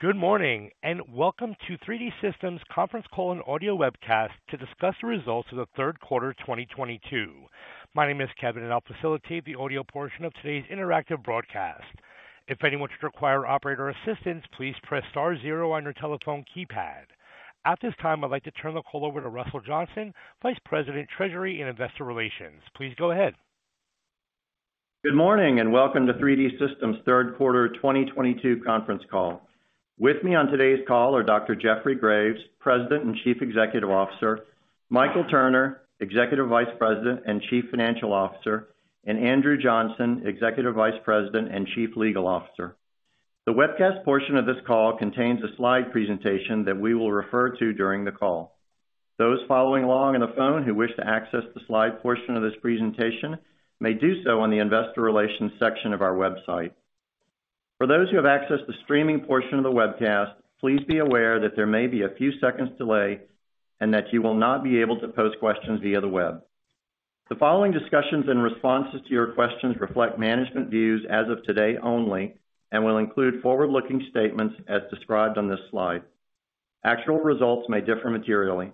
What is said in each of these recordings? Good morning, and welcome to 3D Systems Conference Call and Audio Webcast to discuss the results of the third quarter 2022. My name is Kevin, and I'll facilitate the audio portion of today's interactive broadcast. If anyone should require operator assistance, please press star zero on your telephone keypad. At this time, I'd like to turn the call over to Russell Johnson, Vice President, Treasury and Investor Relations. Please go ahead. Good morning, and welcome to 3D Systems' third quarter 2022 conference call. With me on today's call are Dr. Jeffrey Graves, President and Chief Executive Officer, Michael Turner, Executive Vice President and Chief Financial Officer, and Andrew Johnson, Executive Vice President and Chief Legal Officer. The webcast portion of this call contains a slide presentation that we will refer to during the call. Those following along on the phone who wish to access the slide portion of this presentation may do so on the investor relations section of our website. For those who have accessed the streaming portion of the webcast, please be aware that there may be a few seconds delay and that you will not be able to pose questions via the web. The following discussions and responses to your questions reflect management views as of today only and will include forward-looking statements as described on this slide. Actual results may differ materially.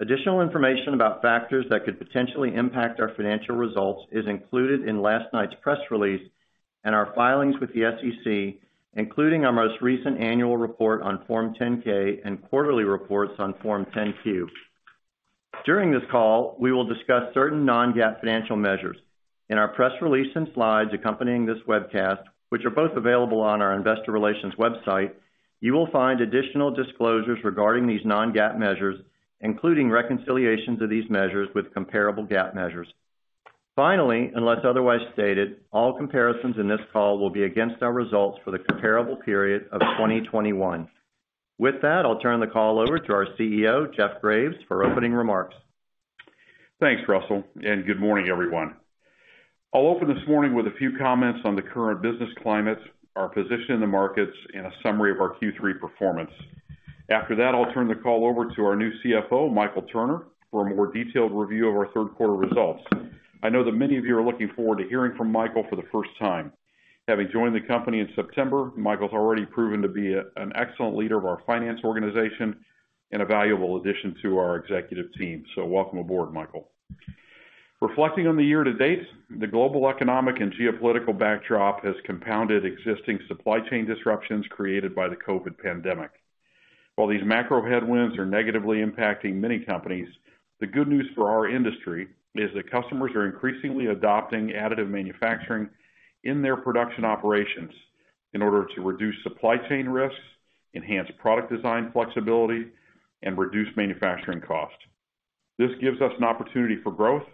Additional information about factors that could potentially impact our financial results is included in last night's press release and our filings with the SEC, including our most recent annual report on Form 10-K and quarterly reports on Form 10-Q. During this call, we will discuss certain non-GAAP financial measures. In our press release and slides accompanying this webcast, which are both available on our investor relations website, you will find additional disclosures regarding these non-GAAP measures, including reconciliations of these measures with comparable GAAP measures. Finally, unless otherwise stated, all comparisons in this call will be against our results for the comparable period of 2021. With that, I'll turn the call over to our CEO, Jeff Graves, for opening remarks. Thanks, Russell, and good morning, everyone. I'll open this morning with a few comments on the current business climate, our position in the markets, and a summary of our Q3 performance. After that, I'll turn the call over to our new CFO, Michael Turner, for a more detailed review of our third quarter results. I know that many of you are looking forward to hearing from Michael for the first time. Having joined the company in September, Michael's already proven to be an excellent leader of our finance organization and a valuable addition to our executive team. Welcome aboard, Michael. Reflecting on the year to date, the global economic and geopolitical backdrop has compounded existing supply chain disruptions created by the COVID pandemic. While these macro headwinds are negatively impacting many companies, the good news for our industry is that customers are increasingly adopting additive manufacturing in their production operations in order to reduce supply chain risks, enhance product design flexibility, and reduce manufacturing costs. This gives us an opportunity for growth,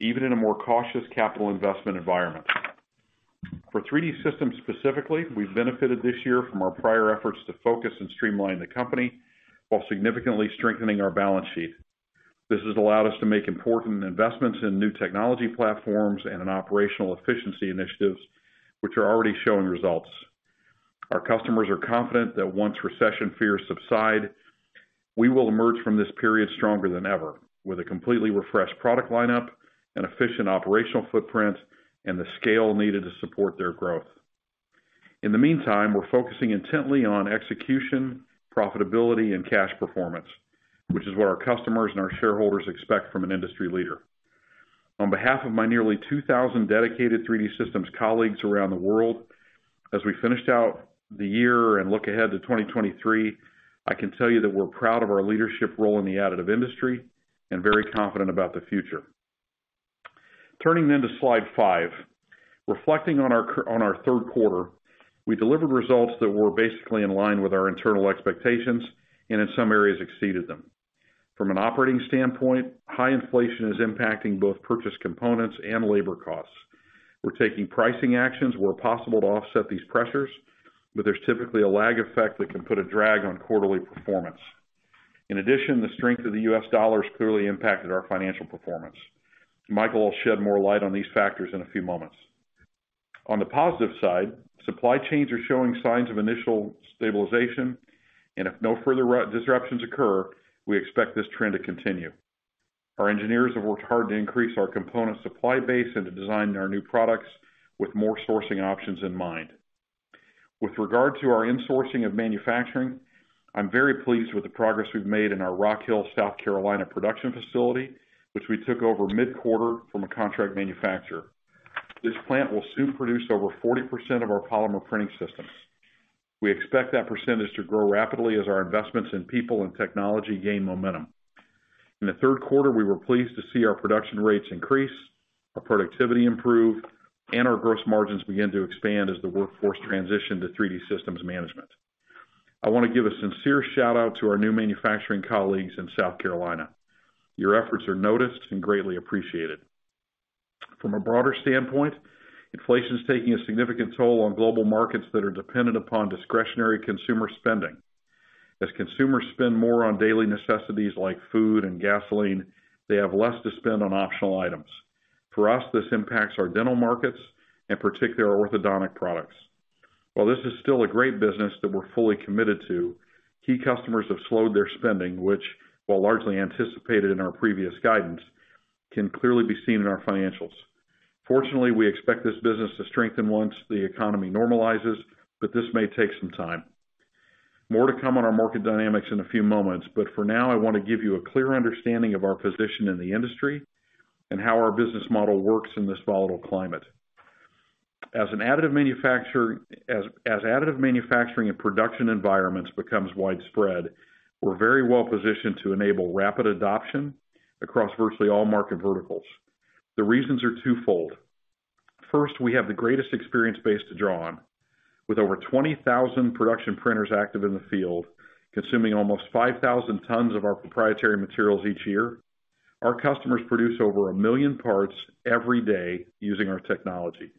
even in a more cautious capital investment environment. For 3D Systems specifically, we've benefited this year from our prior efforts to focus and streamline the company while significantly strengthening our balance sheet. This has allowed us to make important investments in new technology platforms and in operational efficiency initiatives, which are already showing results. Our customers are confident that once recession fears subside, we will emerge from this period stronger than ever, with a completely refreshed product lineup, an efficient operational footprint, and the scale needed to support their growth. In the meantime, we're focusing intently on execution, profitability, and cash performance, which is what our customers and our shareholders expect from an industry leader. On behalf of my nearly 2,000 dedicated 3D Systems colleagues around the world, as we finished out the year and look ahead to 2023, I can tell you that we're proud of our leadership role in the additive industry and very confident about the future. Turning to slide five. Reflecting on our third quarter, we delivered results that were basically in line with our internal expectations and in some areas exceeded them. From an operating standpoint, high inflation is impacting both purchase components and labor costs. We're taking pricing actions where possible to offset these pressures, but there's typically a lag effect that can put a drag on quarterly performance. In addition, the strength of the U.S. dollar has clearly impacted our financial performance. Michael will shed more light on these factors in a few moments. On the positive side, supply chains are showing signs of initial stabilization, and if no further disruptions occur, we expect this trend to continue. Our engineers have worked hard to increase our component supply base and to design our new products with more sourcing options in mind. With regard to our insourcing of manufacturing, I'm very pleased with the progress we've made in our Rock Hill, South Carolina production facility, which we took over mid-quarter from a contract manufacturer. This plant will soon produce over 40% of our polymer printing systems. We expect that percentage to grow rapidly as our investments in people and technology gain momentum. In the third quarter, we were pleased to see our production rates increase, our productivity improve, and our gross margins begin to expand as the workforce transitioned to 3D Systems management. I want to give a sincere shout-out to our new manufacturing colleagues in South Carolina. Your efforts are noticed and greatly appreciated. From a broader standpoint, inflation is taking a significant toll on global markets that are dependent upon discretionary consumer spending. As consumers spend more on daily necessities like food and gasoline, they have less to spend on optional items. For us, this impacts our dental markets, and particularly our orthodontic products. While this is still a great business that we're fully committed to, key customers have slowed their spending, which, while largely anticipated in our previous guidance, can clearly be seen in our financials. Fortunately, we expect this business to strengthen once the economy normalizes, but this may take some time. More to come on our market dynamics in a few moments, but for now, I want to give you a clear understanding of our position in the industry and how our business model works in this volatile climate. As additive manufacturing and production environments becomes widespread, we're very well-positioned to enable rapid adoption across virtually all market verticals. The reasons are twofold. First, we have the greatest experience base to draw on. With over 20,000 production printers active in the field, consuming almost 5,000 tons of our proprietary materials each year, our customers produce over 1 million parts every day using our technology.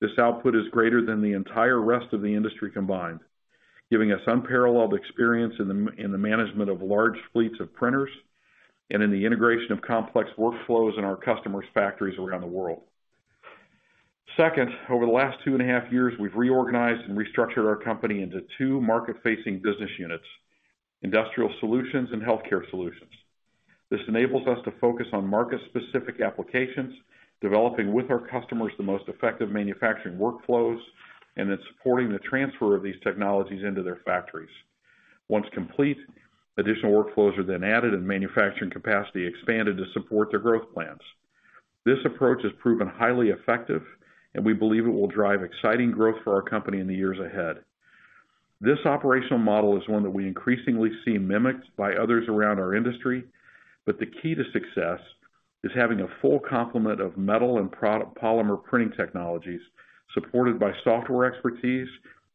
This output is greater than the entire rest of the industry combined, giving us unparalleled experience in the management of large fleets of printers and in the integration of complex workflows in our customers' factories around the world. Second, over the last 2.5 years, we've reorganized and restructured our company into two market-facing business units, industrial solutions and healthcare solutions. This enables us to focus on market-specific applications, developing with our customers the most effective manufacturing workflows, and then supporting the transfer of these technologies into their factories. Once complete, additional workflows are then added, and manufacturing capacity expanded to support their growth plans. This approach has proven highly effective, and we believe it will drive exciting growth for our company in the years ahead. This operational model is one that we increasingly see mimicked by others around our industry, but the key to success is having a full complement of metal and polymer printing technologies, supported by software expertise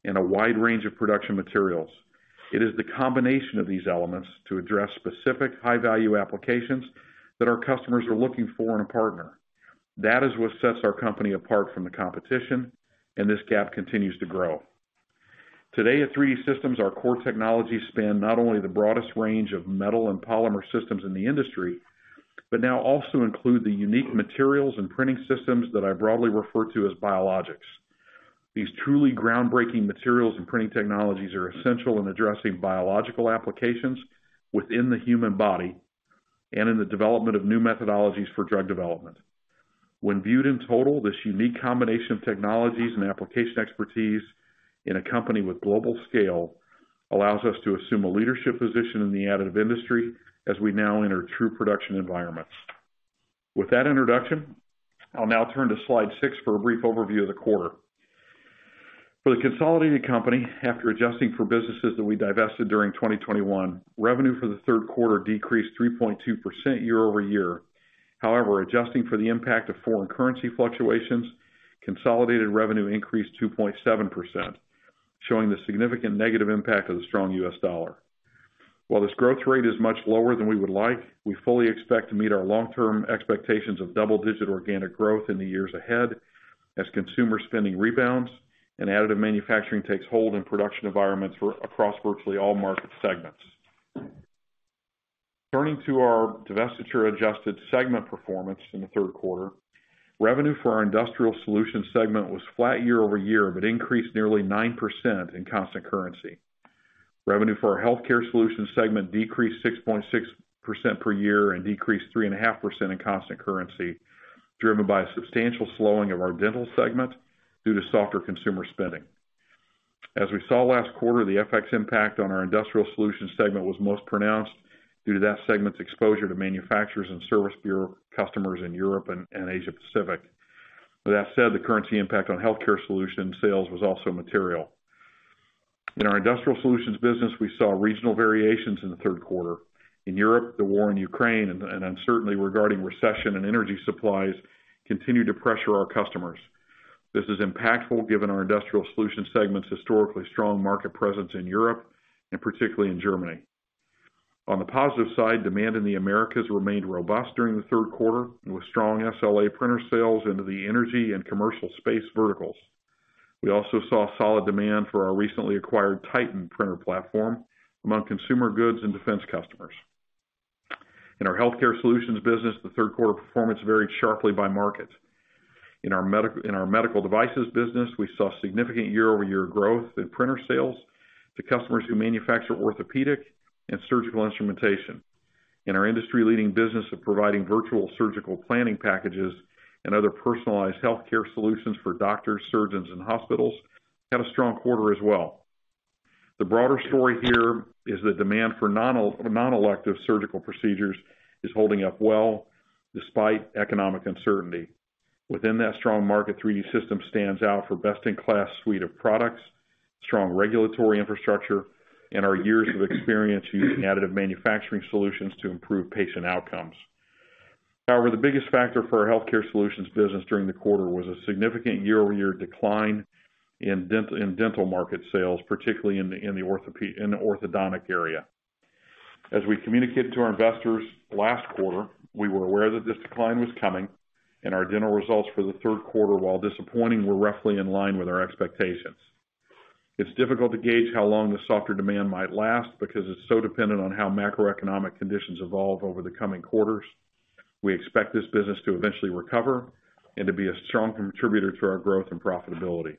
and a wide range of production materials. It is the combination of these elements to address specific high-value applications that our customers are looking for in a partner. That is what sets our company apart from the competition, and this gap continues to grow. Today at 3D Systems, our core technologies span not only the broadest range of metal and polymer systems in the industry, but now also include the unique materials and printing systems that I broadly refer to as biologics. These truly groundbreaking materials and printing technologies are essential in addressing biological applications within the human body and in the development of new methodologies for drug development. When viewed in total, this unique combination of technologies and application expertise in a company with global scale allows us to assume a leadership position in the additive industry as we now enter true production environments. With that introduction, I'll now turn to slide six for a brief overview of the quarter. For the consolidated company, after adjusting for businesses that we divested during 2021, revenue for the third quarter decreased 3.2% year-over-year. However, adjusting for the impact of foreign currency fluctuations, consolidated revenue increased 2.7%, showing the significant negative impact of the strong U.S. dollar. While this growth rate is much lower than we would like, we fully expect to meet our long-term expectations of double-digit organic growth in the years ahead as consumer spending rebounds and additive manufacturing takes hold in production environments across virtually all market segments. Turning to our divestiture-adjusted segment performance in the third quarter, revenue for our industrial solutions segment was flat year-over-year, but increased nearly 9% in constant currency. Revenue for our healthcare solutions segment decreased 6.6% year-over-year and decreased 3.5% in constant currency, driven by a substantial slowing of our dental segment due to softer consumer spending. As we saw last quarter, the FX impact on our industrial solutions segment was most pronounced due to that segment's exposure to manufacturers and service bureau customers in Europe and Asia Pacific. With that said, the currency impact on healthcare solutions sales was also material. In our industrial solutions business, we saw regional variations in the third quarter. In Europe, the war in Ukraine and uncertainty regarding recession and energy supplies continued to pressure our customers. This is impactful given our industrial solutions segment's historically strong market presence in Europe, and particularly in Germany. On the positive side, demand in the Americas remained robust during the third quarter, with strong SLA printer sales into the energy and commercial space verticals. We also saw solid demand for our recently acquired Titan printer platform among consumer goods and defense customers. In our healthcare solutions business, the third quarter performance varied sharply by market. In our medical devices business, we saw significant year-over-year growth in printer sales to customers who manufacture orthopedic and surgical instrumentation. Our industry-leading business of providing virtual surgical planning packages and other personalized healthcare solutions for doctors, surgeons, and hospitals had a strong quarter as well. The broader story here is that demand for non-elective surgical procedures is holding up well despite economic uncertainty. Within that strong market, 3D Systems stands out for best-in-class suite of products, strong regulatory infrastructure, and our years of experience using additive manufacturing solutions to improve patient outcomes. However, the biggest factor for our healthcare solutions business during the quarter was a significant year-over-year decline in dental market sales, particularly in the orthodontic area. As we communicated to our investors last quarter, we were aware that this decline was coming, and our dental results for the third quarter, while disappointing, were roughly in line with our expectations. It's difficult to gauge how long the softer demand might last because it's so dependent on how macroeconomic conditions evolve over the coming quarters. We expect this business to eventually recover and to be a strong contributor to our growth and profitability.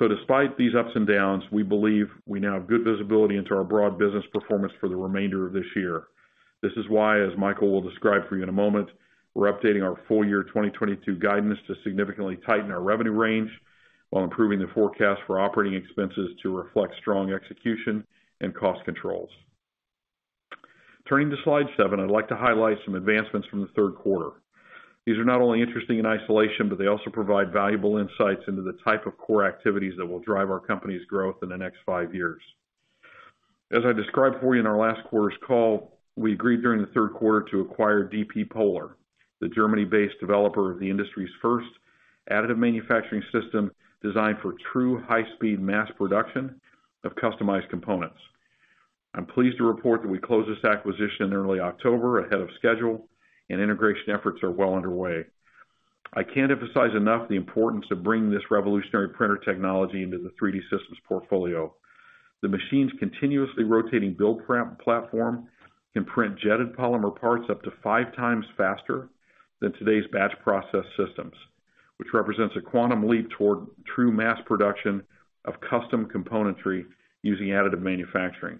Despite these ups and downs, we believe we now have good visibility into our broad business performance for the remainder of this year. This is why, as Michael will describe for you in a moment, we're updating our full year 2022 guidance to significantly tighten our revenue range while improving the forecast for operating expenses to reflect strong execution and cost controls. Turning to slide seven, I'd like to highlight some advancements from the third quarter. These are not only interesting in isolation, but they also provide valuable insights into the type of core activities that will drive our company's growth in the next five years. As I described for you in our last quarter's call, we agreed during the third quarter to acquire dp polar GmbH, the Germany-based developer of the industry's first additive manufacturing system designed for true high-speed mass production of customized components. I'm pleased to report that we closed this acquisition in early October ahead of schedule, and integration efforts are well underway. I can't emphasize enough the importance of bringing this revolutionary printer technology into the 3D Systems portfolio. The machine's continuously rotating build platform can print jetted polymer parts up to five times faster than today's batch process systems, which represents a quantum leap toward true mass production of custom componentry using additive manufacturing.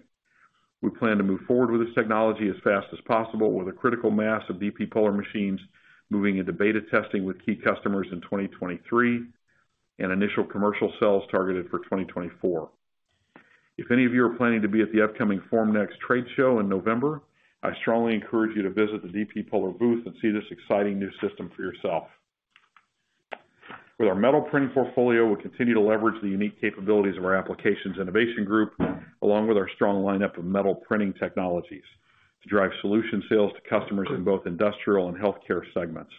We plan to move forward with this technology as fast as possible with a critical mass of dp polar GmbH machines moving into beta testing with key customers in 2023, and initial commercial sales targeted for 2024. If any of you are planning to be at the upcoming Formnext trade show in November, I strongly encourage you to visit the dp polar booth and see this exciting new system for yourself. With our metal printing portfolio, we continue to leverage the unique capabilities of our Applications Innovation Group, along with our strong lineup of metal printing technologies to drive solution sales to customers in both industrial and healthcare segments.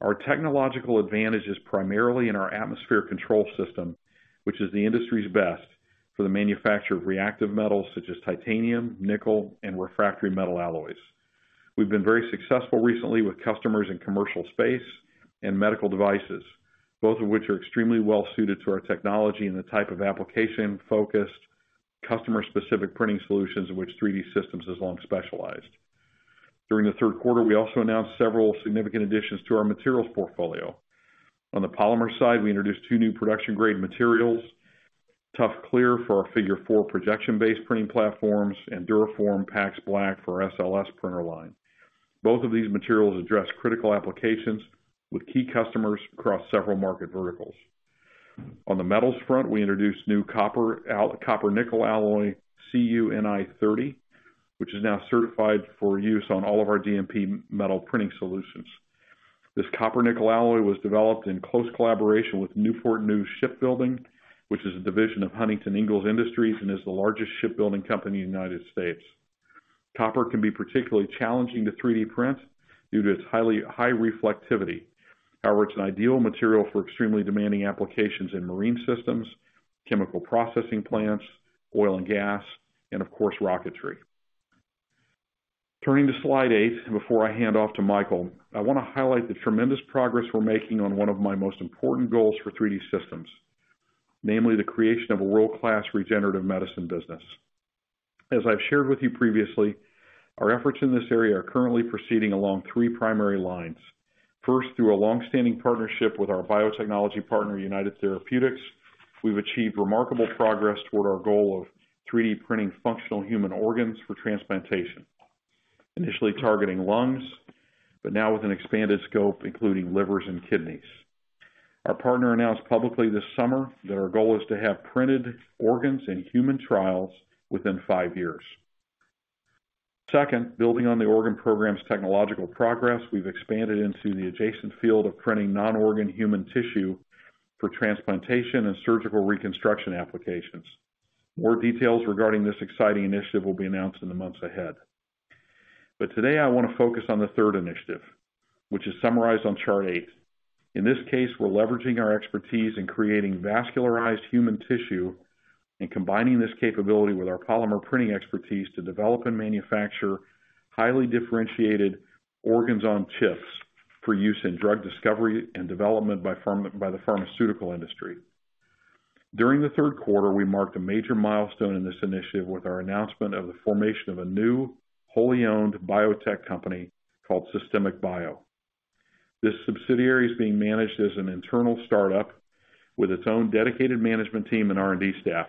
Our technological advantage is primarily in our atmosphere control system, which is the industry's best for the manufacture of reactive metals such as titanium, nickel, and refractory metal alloys. We've been very successful recently with customers in commercial space and medical devices, both of which are extremely well suited to our technology and the type of application-focused customer-specific printing solutions in which 3D Systems has long specialized. During the third quarter, we also announced several significant additions to our materials portfolio. On the polymer side, we introduced two new production-grade materials, Tough Clear for our Figure 4 projection-based printing platforms and DuraForm PAx Black for our SLS printer line. Both of the materials address critical applications with key customers across several market verticals. On the metals front, we introduced new copper nickel alloy CuNi30, which is now certified for use on all of our DMP metal printing solutions. This copper nickel alloy was developed in close collaboration with Newport News Shipbuilding, which is a division of Huntington Ingalls Industries and is the largest shipbuilding company in the United States. Copper can be particularly challenging to 3D print due to its high reflectivity. However, it's an ideal material for extremely demanding applications in marine systems, chemical processing plants, oil and gas, and of course rocketry. Turning to slide eight, before I hand off to Michael, I wanna highlight the tremendous progress we're making on one of my most important goals for 3D Systems, namely the creation of a world-class regenerative medicine business. As I've shared with you previously, our efforts in this area are currently proceeding along three primary lines. First, through a long-standing partnership with our biotechnology partner, United Therapeutics, we've achieved remarkable progress toward our goal of 3D printing functional human organs for transplantation. Initially targeting lungs, but now with an expanded scope, including livers and kidneys. Our partner announced publicly this summer that our goal is to have printed organs in human trials within five years. Second, building on the organ program's technological progress, we've expanded into the adjacent field of printing non-organ human tissue for transplantation and surgical reconstruction applications. More details regarding this exciting initiative will be announced in the months ahead. Today I wanna focus on the third initiative, which is summarized on chart eight. In this case, we're leveraging our expertise in creating vascularized human tissue and combining this capability with our polymer printing expertise to develop and manufacture highly differentiated organs-on-chips for use in drug discovery and development by the pharmaceutical industry. During the third quarter, we marked a major milestone in this initiative with our announcement of the formation of a new wholly owned biotech company called Systemic Bio. This subsidiary is being managed as an internal startup with its own dedicated management team and R&D staff.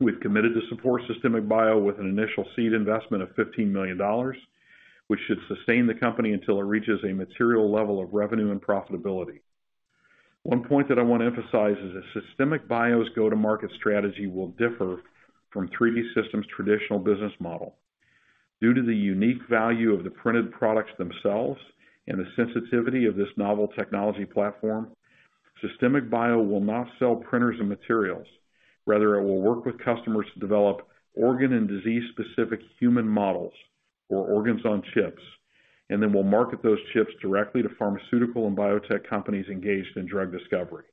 We've committed to support Systemic Bio with an initial seed investment of $15 million, which should sustain the company until it reaches a material level of revenue and profitability. One point that I want to emphasize is that Systemic Bio's go-to-market strategy will differ from 3D Systems' traditional business model. Due to the unique value of the printed products themselves and the sensitivity of this novel technology platform, Systemic Bio will not sell printers and materials. Rather, it will work with customers to develop organ and disease-specific human models or organs on chips, and then will market those chips directly to pharmaceutical and biotech companies engaged in drug discovery.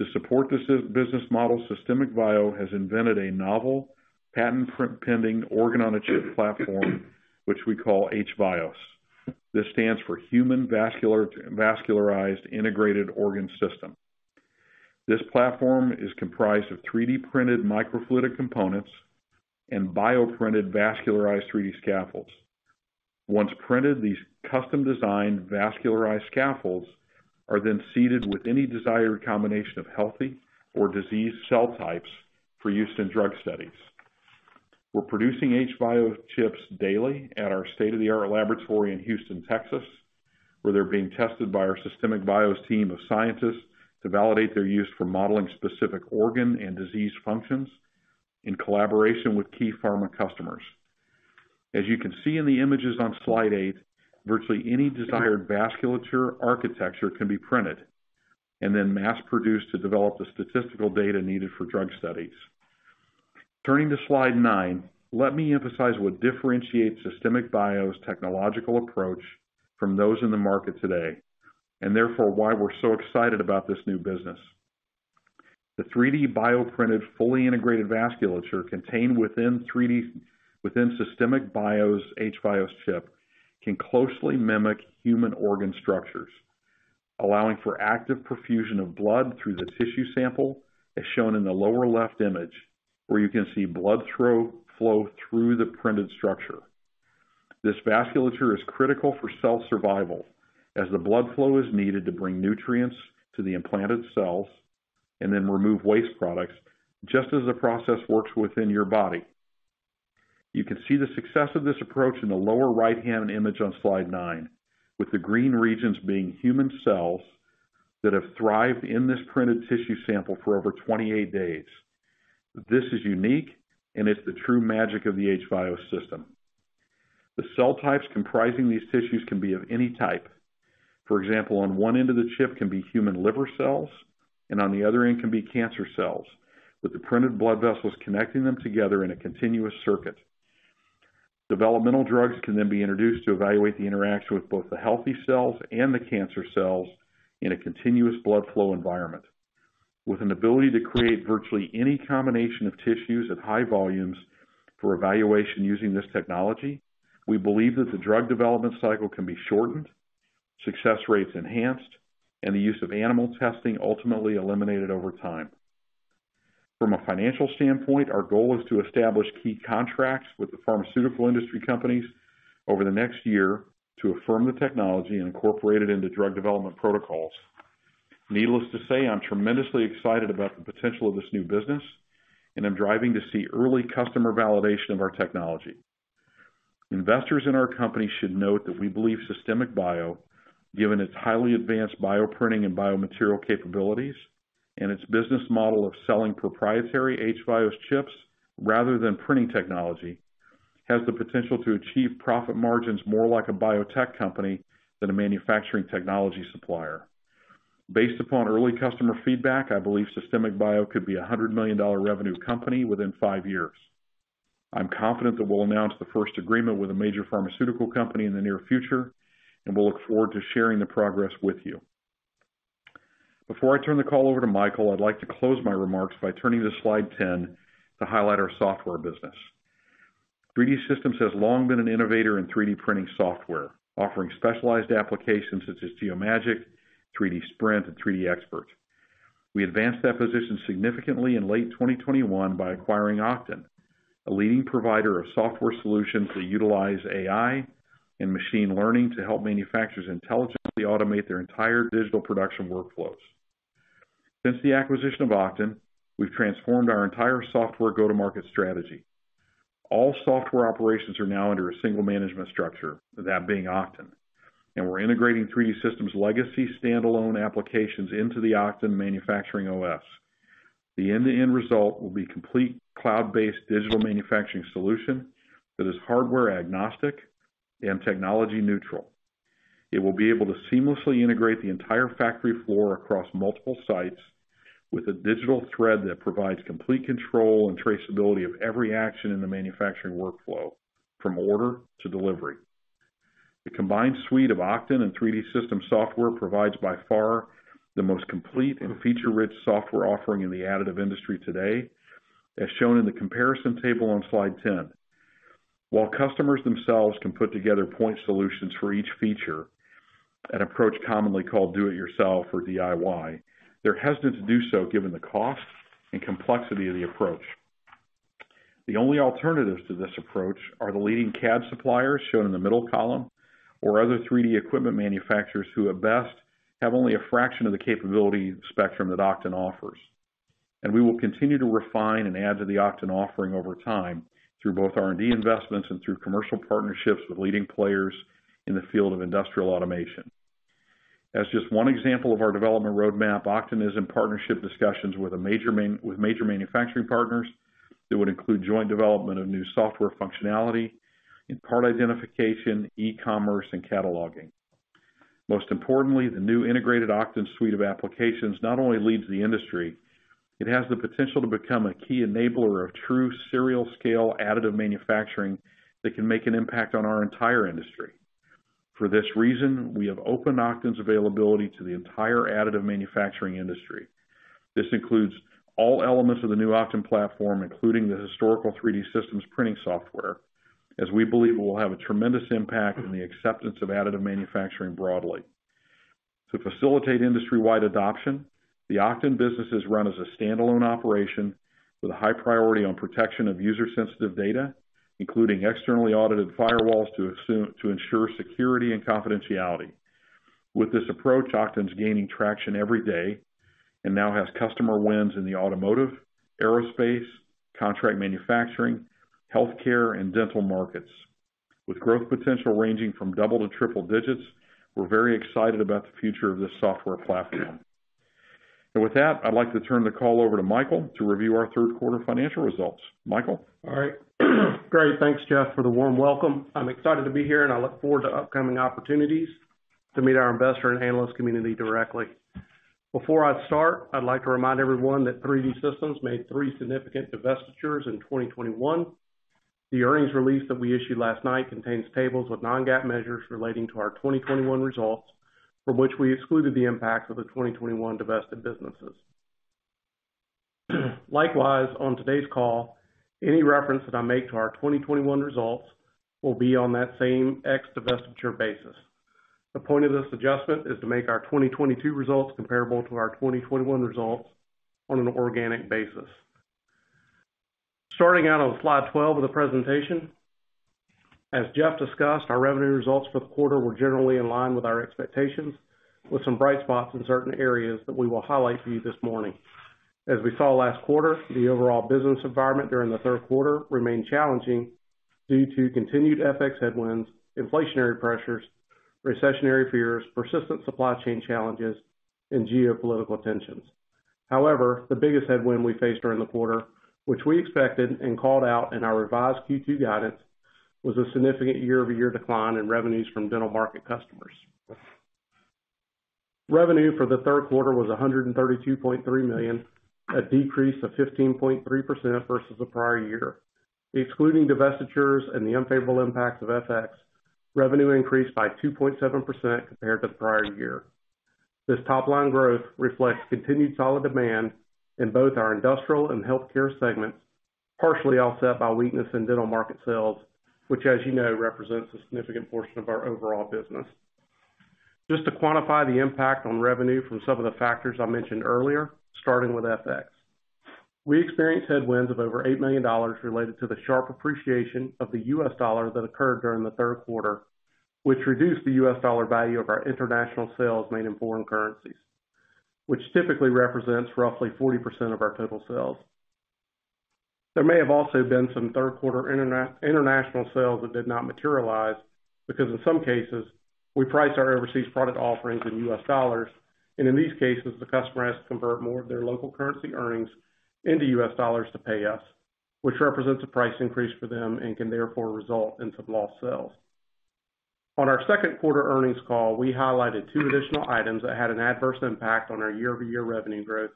To support this business model, Systemic Bio has invented a novel patent pending organ-on-a-chip platform, which we call h-VIOS. This stands for Human Vascularized Integrated Organ System. This platform is comprised of 3D printed microfluidic components and bioprinted vascularizeh-viosd 3D scaffolds. Once printed, these custom-designed vascularized scaffolds are then seeded with any desired combination of healthy or diseased cell types for use in drug studies. We're producing h-VIOS chips daily at our state-of-the-art laboratory in Houston, Texas, where they're being tested by our Systemic Bio's team of scientists to validate their use for modeling specific organ and disease functions in collaboration with key pharma customers. As you can see in the images on slide eight virtually any desired vasculature architecture can be printed and then mass-produced to develop the statistical data needed for drug studies. Turning to slide nine, let me emphasize what differentiates Systemic Bio's technological approach from those in the market today, and therefore, why we're so excited about this new business. The 3D bioprinted, fully integrated vasculature contained within within Systemic Bio's h-VIOS chip can closely mimic human organ structures, allowing for active perfusion of blood through the tissue sample, as shown in the lower left image, where you can see blood flow through the printed structure. This vasculature is critical for cell survival, as the blood flow is needed to bring nutrients to the implanted cells and then remove waste products, just as the process works within your body. You can see the success of this approach in the lower right-hand image on slide nine, with the green regions being human cells that have thrived in this printed tissue sample for over 28 days. This is unique, and it's the true magic of the h-VIOS system. The cell types comprising these tissues can be of any type. For example, on one end of the chip can be human liver cells, and on the other end can be cancer cells, with the printed blood vessels connecting them together in a continuous circuit. Developmental drugs can then be introduced to evaluate the interaction with both the healthy cells and the cancer cells in a continuous blood flow environment. With an ability to create virtually any combination of tissues at high volumes for evaluation using this technology, we believe that the drug development cycle can be shortened, success rates enhanced, and the use of animal testing ultimately eliminated over time. From a financial standpoint, our goal is to establish key contracts with the pharmaceutical industry companies over the next year to affirm the technology and incorporate it into drug development protocols. Needless to say, I'm tremendously excited about the potential of this new business, and I'm driving to see early customer validation of our technology. Investors in our company should note that we believe Systemic Bio, given its highly advanced bioprinting and biomaterial capabilities and its business model of selling proprietary h-VIOS chips rather than printing technology, has the potential to achieve profit margins more like a biotech company than a manufacturing technology supplier. Based upon early customer feedback, I believe Systemic Bio could be a 100-million-dollar revenue company within five years. I'm confident that we'll announce the first agreement with a major pharmaceutical company in the near future, and we'll look forward to sharing the progress with you. Before I turn the call over to Michael, I'd like to close my remarks by turning to slide 10 to highlight our software business. 3D Systems has long been an innovator in 3D printing software, offering specialized applications such as Geomagic, 3D Sprint, and 3DXpert. We advanced that position significantly in late 2021 by acquiring Oqton, a leading provider of software solutions that utilize AI and machine learning to help manufacturers intelligently automate their entire digital production workflows. Since the acquisition of Oqton, we've transformed our entire software go-to-market strategy. All software operations are now under a single management structure, that being Oqton, and we're integrating 3D Systems' legacy standalone applications into the Oqton Manufacturing OS. The end-to-end result will be complete cloud-based digital manufacturing solution that is hardware-agnostic and technology-neutral. It will be able to seamlessly integrate the entire factory floor across multiple sites with a digital thread that provides complete control and traceability of every action in the manufacturing workflow, from order to delivery. The combined suite of Oqton and 3D Systems software provides by far the most complete and feature-rich software offering in the additive industry today, as shown in the comparison table on slide 10. While customers themselves can put together point solutions for each feature, an approach commonly called Do It Yourself or DIY, they're hesitant to do so given the cost and complexity of the approach. The only alternatives to this approach are the leading CAD suppliers shown in the middle column or other 3D equipment manufacturers who, at best, have only a fraction of the capability spectrum that Oqton offers. We will continue to refine and add to the Oqton offering over time through both R&D investments and through commercial partnerships with leading players in the field of industrial automation. As just one example of our development roadmap, Oqton is in partnership discussions with major manufacturing partners that would include joint development of new software functionality in part identification, e-commerce, and cataloging. Most importantly, the new integrated Oqton suite of applications not only leads the industry, it has the potential to become a key enabler of true serial scale additive manufacturing that can make an impact on our entire industry. For this reason, we have opened Oqton's availability to the entire additive manufacturing industry. This includes all elements of the new Oqton platform, including the historical 3D Systems printing software, as we believe it will have a tremendous impact in the acceptance of additive manufacturing broadly. To facilitate industry-wide adoption, the Oqton business is run as a standalone operation with a high priority on protection of user sensitive data, including externally audited firewalls to ensure security and confidentiality. With this approach, Oqton's gaining traction every day and now has customer wins in the automotive, aerospace, contract manufacturing, healthcare, and dental markets. With growth potential ranging from double to triple digits, we're very excited about the future of this software platform. With that, I'd like to turn the call over to Michael to review our third quarter financial results. Michael? All right. Great. Thanks, Jeff, for the warm welcome. I'm excited to be here, and I look forward to upcoming opportunities to meet our investor and analyst community directly. Before I start, I'd like to remind everyone that 3D Systems made three significant divestitures in 2021. The earnings release that we issued last night contains tables with non-GAAP measures relating to our 2021 results, from which we excluded the impacts of the 2021 divested businesses. Likewise, on today's call, any reference that I make to our 2021 results will be on that same ex-divestiture basis. The point of this adjustment is to make our 2022 results comparable to our 2021 results on an organic basis. Starting out on slide 12 of the presentation. As Jeff discussed, our revenue results for the quarter were generally in line with our expectations, with some bright spots in certain areas that we will highlight for you this morning. As we saw last quarter, the overall business environment during the third quarter remained challenging due to continued FX headwinds, inflationary pressures, recessionary fears, persistent supply chain challenges, and geopolitical tensions. However, the biggest headwind we faced during the quarter, which we expected and called out in our revised Q2 guidance, was a significant year-over-year decline in revenues from dental market customers. Revenue for the third quarter was $132.3 million, a decrease of 15.3% versus the prior year. Excluding divestitures and the unfavorable impacts of FX, revenue increased by 2.7% compared to the prior year. This top line growth reflects continued solid demand in both our industrial and healthcare segments, partially offset by weakness in dental market sales, which, as you know, represents a significant portion of our overall business. Just to quantify the impact on revenue from some of the factors I mentioned earlier, starting with FX. We experienced headwinds of over $8 million related to the sharp appreciation of the US dollar that occurred during the third quarter, which reduced the US dollar value of our international sales made in foreign currencies, which typically represents roughly 40% of our total sales. There may have also been some third quarter international sales that did not materialize because in some cases, we price our overseas product offerings in U.S. Dollars, and in these cases, the customer has to convert more of their local currency earnings into U.S. dollars to pay us, which represents a price increase for them and can therefore result in some lost sales. On our second quarter earnings call, we highlighted two additional items that had an adverse impact on our year-over-year revenue growth.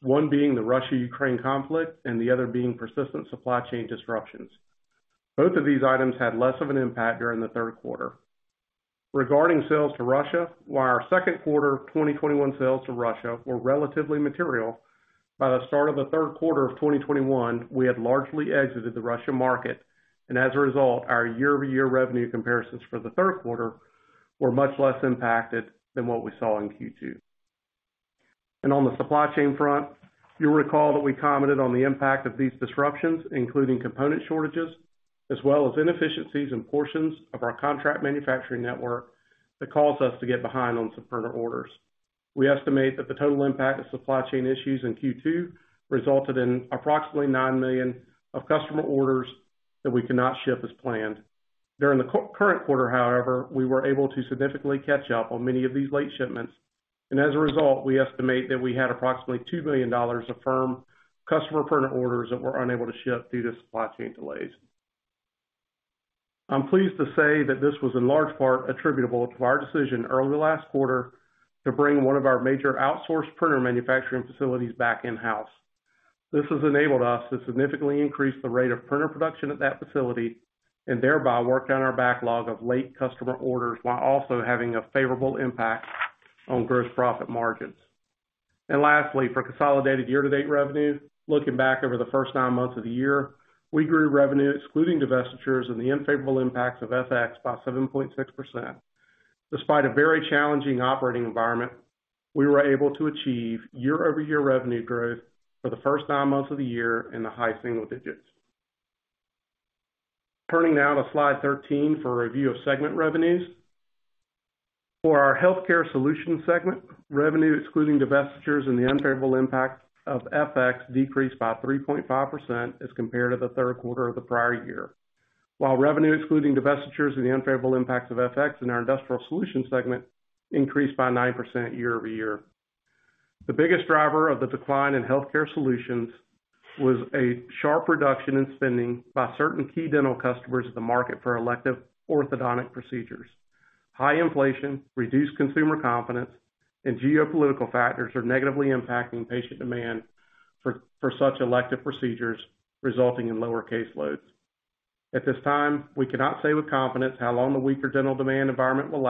One being the Russia-Ukraine conflict and the other being persistent supply chain disruptions. Both of these items had less of an impact during the third quarter. Regarding sales to Russia, while our second quarter 2021 sales to Russia were relatively material, by the start of the third quarter of 2021, we had largely exited the Russian market, and as a result, our year-over-year revenue comparisons for the third quarter were much less impacted than what we saw in Q2. On the supply chain front, you'll recall that we commented on the impact of these disruptions, including component shortages, as well as inefficiencies in portions of our contract manufacturing network that caused us to get behind on some printer orders. We estimate that the total impact of supply chain issues in Q2 resulted in approximately $9 million of customer orders that we could not ship as planned. During the current quarter, however, we were able to significantly catch up on many of these late shipments, and as a result, we estimate that we had approximately $2 million of firm customer printer orders that were unable to ship due to supply chain delays. I'm pleased to say that this was in large part attributable to our decision early last quarter to bring one of our major outsourced printer manufacturing facilities back in-house. This has enabled us to significantly increase the rate of printer production at that facility and thereby work down our backlog of late customer orders while also having a favorable impact on gross profit margins. Lastly, for consolidated year-to-date revenue, looking back over the first nine months of the year, we grew revenue excluding divestitures and the unfavorable impacts of FX by 7.6%. Despite a very challenging operating environment, we were able to achieve year-over-year revenue growth for the first nine months of the year in the high single digits. Turning now to slide 13 for a review of segment revenues. For our healthcare solutions segment, revenue excluding divestitures and the unfavorable impact of FX decreased by 3.5% as compared to the third quarter of the prior year. While revenue excluding divestitures and the unfavorable impacts of FX in our industrial solutions segment increased by 9% year-over-year. The biggest driver of the decline in healthcare solutions was a sharp reduction in spending by certain key dental customers of the market for elective orthodontic procedures. High inflation, reduced consumer confidence, and geopolitical factors are negatively impacting patient demand for such elective procedures, resulting in lower caseloads. At this time, we cannot say with confidence how long the weaker dental demand environment will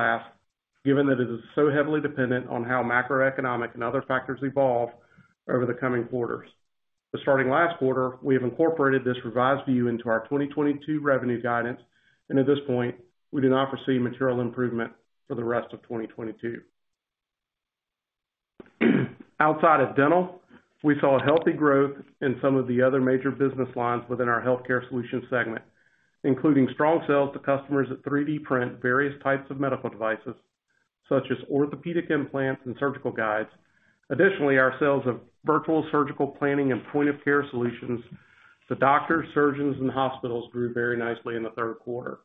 last, given that it is so heavily dependent on how macroeconomic and other factors evolve over the coming quarters. Starting last quarter, we have incorporated this revised view into our 2022 revenue guidance. At this point, we do not foresee material improvement for the rest of 2022. Outside of dental, we saw healthy growth in some of the other major business lines within our healthcare solutions segment, including strong sales to customers that 3D print various types of medical devices, such as orthopedic implants and surgical guides. Additionally, our sales of virtual surgical planning and point of care solutions to doctors, surgeons, and hospitals grew very nicely in the third quarter.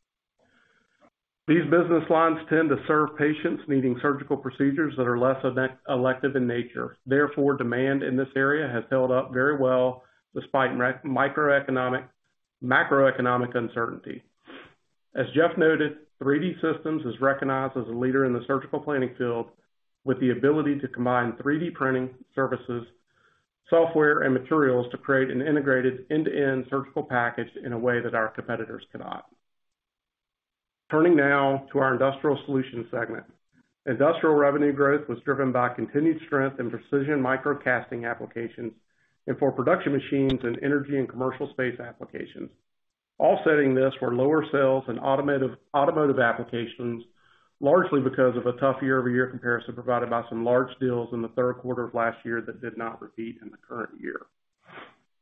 These business lines tend to serve patients needing surgical procedures that are less elective in nature. Therefore, demand in this area has held up very well despite macroeconomic uncertainty. As Jeff noted, 3D Systems is recognized as a leader in the surgical planning field with the ability to combine 3D printing services, software, and materials to create an integrated end-to-end surgical package in a way that our competitors cannot. Turning now to our industrial solutions segment. Industrial revenue growth was driven by continued strength in precision investment casting applications and for production machines and energy and commercial space applications. Offsetting this were lower sales in automotive applications, largely because of a tough year-over-year comparison provided by some large deals in the third quarter of last year that did not repeat in the current year.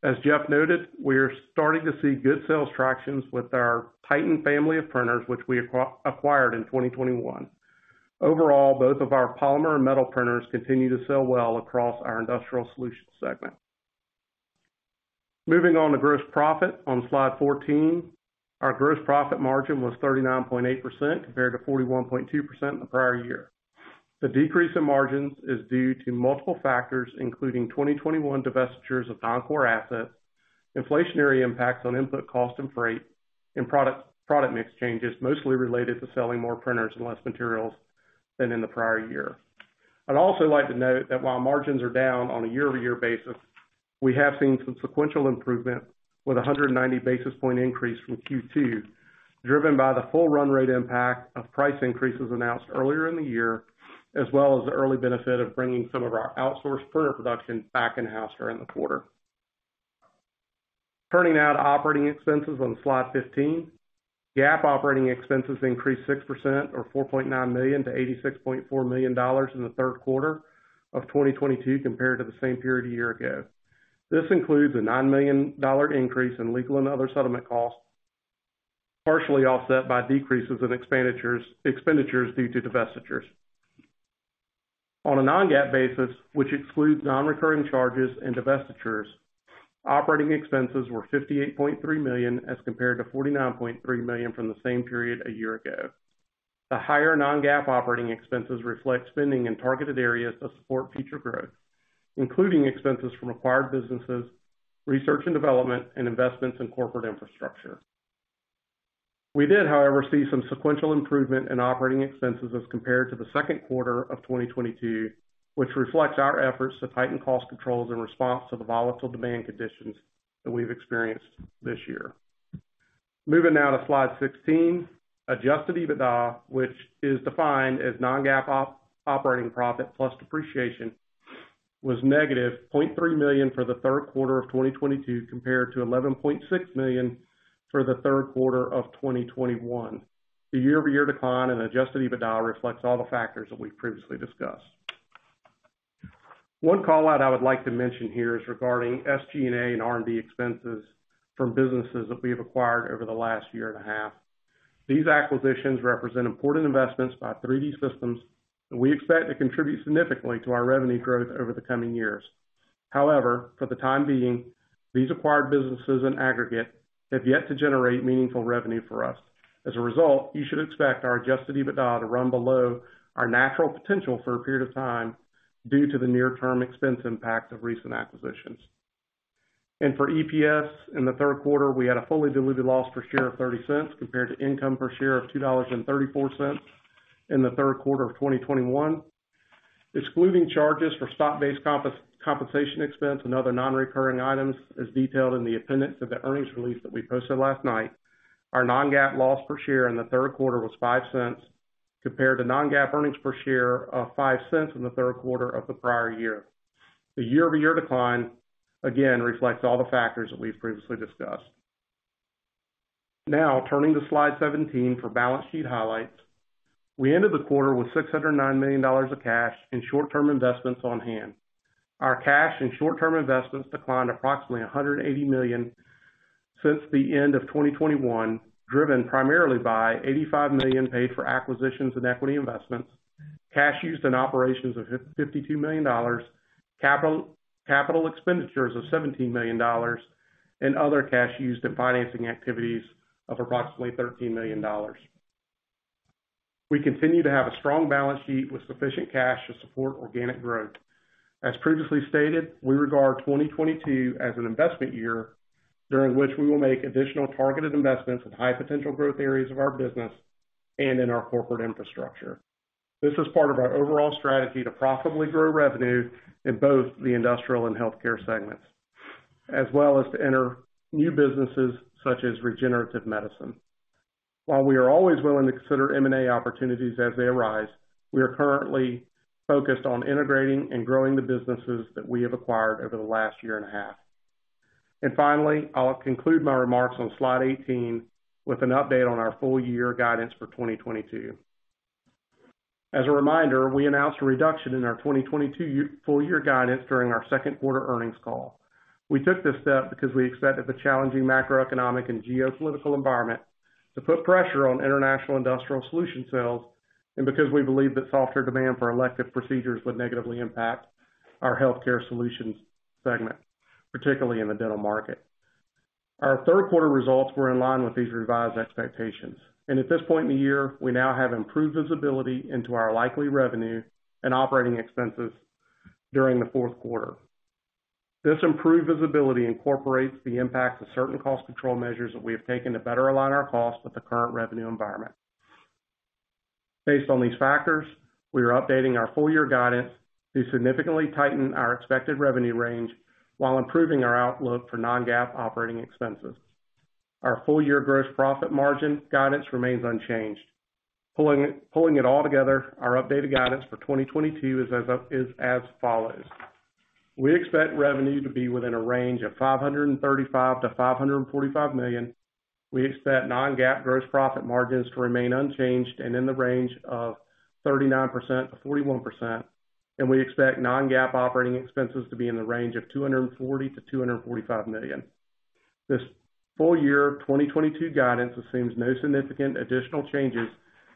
As Jeff noted, we are starting to see good sales traction with our Titan family of printers, which we acquired in 2021. Overall, both of our polymer and metal printers continue to sell well across our industrial solutions segment. Moving on to gross profit on slide 14. Our gross profit margin was 39.8% compared to 41.2% in the prior year. The decrease in margins is due to multiple factors, including 2021 divestitures of non-core assets, inflationary impacts on input cost and freight, and product mix changes mostly related to selling more printers and less materials than in the prior year. I'd also like to note that while margins are down on a year-over-year basis, we have seen some sequential improvement with a 190 basis point increase from Q2, driven by the full run rate impact of price increases announced earlier in the year, as well as the early benefit of bringing some of our outsourced printer production back in-house during the quarter. Turning now to operating expenses on slide 15. GAAP operating expenses increased 6% or $4.9 million to $86.4 million in the third quarter of 2022 compared to the same period a year ago. This includes a $9 million increase in legal and other settlement costs, partially offset by decreases in expenditures due to divestitures. On a non-GAAP basis, which excludes non-recurring charges and divestitures, operating expenses were $58.3 million as compared to $49.3 million from the same period a year ago. The higher non-GAAP operating expenses reflect spending in targeted areas to support future growth, including expenses from acquired businesses, research and development, and investments in corporate infrastructure. We did, however, see some sequential improvement in operating expenses as compared to the second quarter of 2022, which reflects our efforts to tighten cost controls in response to the volatile demand conditions that we've experienced this year. Moving now to slide 16. Adjusted EBITDA, which is defined as non-GAAP operating profit plus depreciation, was negative $0.3 million for the third quarter of 2022 compared to $11.6 million for the third quarter of 2021. The year-over-year decline in adjusted EBITDA reflects all the factors that we've previously discussed. One call-out I would like to mention here is regarding SG&A and R&D expenses from businesses that we have acquired over the last year and a half. These acquisitions represent important investments by 3D Systems, and we expect to contribute significantly to our revenue growth over the coming years. However, for the time being, these acquired businesses in aggregate have yet to generate meaningful revenue for us. As a result, you should expect our Adjusted EBITDA to run below our natural potential for a period of time due to the near-term expense impact of recent acquisitions. For EPS in the third quarter, we had a fully diluted loss per share of $0.30 compared to income per share of $2.34 in the third quarter of 2021. Excluding charges for stock-based compensation expense and other non-recurring items as detailed in the appendix of the earnings release that we posted last night, our non-GAAP loss per share in the third quarter was $0.05 compared to non-GAAP earnings per share of $0.05 in the third quarter of the prior year. The year-over-year decline again reflects all the factors that we've previously discussed. Now, turning to slide 17 for balance sheet highlights. We ended the quarter with $609 million of cash and short-term investments on hand. Our cash and short-term investments declined approximately $180 million since the end of 2021, driven primarily by $85 million paid for acquisitions and equity investments, cash used in operations of $52 million, capital expenditures of $17 million, and other cash used in financing activities of approximately $13 million. We continue to have a strong balance sheet with sufficient cash to support organic growth. As previously stated, we regard 2022 as an investment year during which we will make additional targeted investments in high potential growth areas of our business and in our corporate infrastructure. This is part of our overall strategy to profitably grow revenue in both the industrial and healthcare segments, as well as to enter new businesses such as regenerative medicine. While we are always willing to consider M&A opportunities as they arise, we are currently focused on integrating and growing the businesses that we have acquired over the last year and a half. Finally, I'll conclude my remarks on slide 18 with an update on our full year guidance for 2022. As a reminder, we announced a reduction in our 2022 year full year guidance during our second quarter earnings call. We took this step because we expected the challenging macroeconomic and geopolitical environment to put pressure on international industrial solution sales, and because we believe that softer demand for elective procedures would negatively impact our healthcare solutions segment, particularly in the dental market. Our third quarter results were in line with these revised expectations, and at this point in the year, we now have improved visibility into our likely revenue and operating expenses during the fourth quarter. This improved visibility incorporates the impact of certain cost control measures that we have taken to better align our costs with the current revenue environment. Based on these factors, we are updating our full year guidance to significantly tighten our expected revenue range while improving our outlook for non-GAAP operating expenses. Our full year gross profit margin guidance remains unchanged. Pulling it all together, our updated guidance for 2022 is as follows: We expect revenue to be within a range of $535 million-$545 million. We expect non-GAAP gross profit margins to remain unchanged and in the range of 39%-41%. We expect non-GAAP operating expenses to be in the range of $240 million-$245 million. This full year 2022 guidance assumes no significant additional changes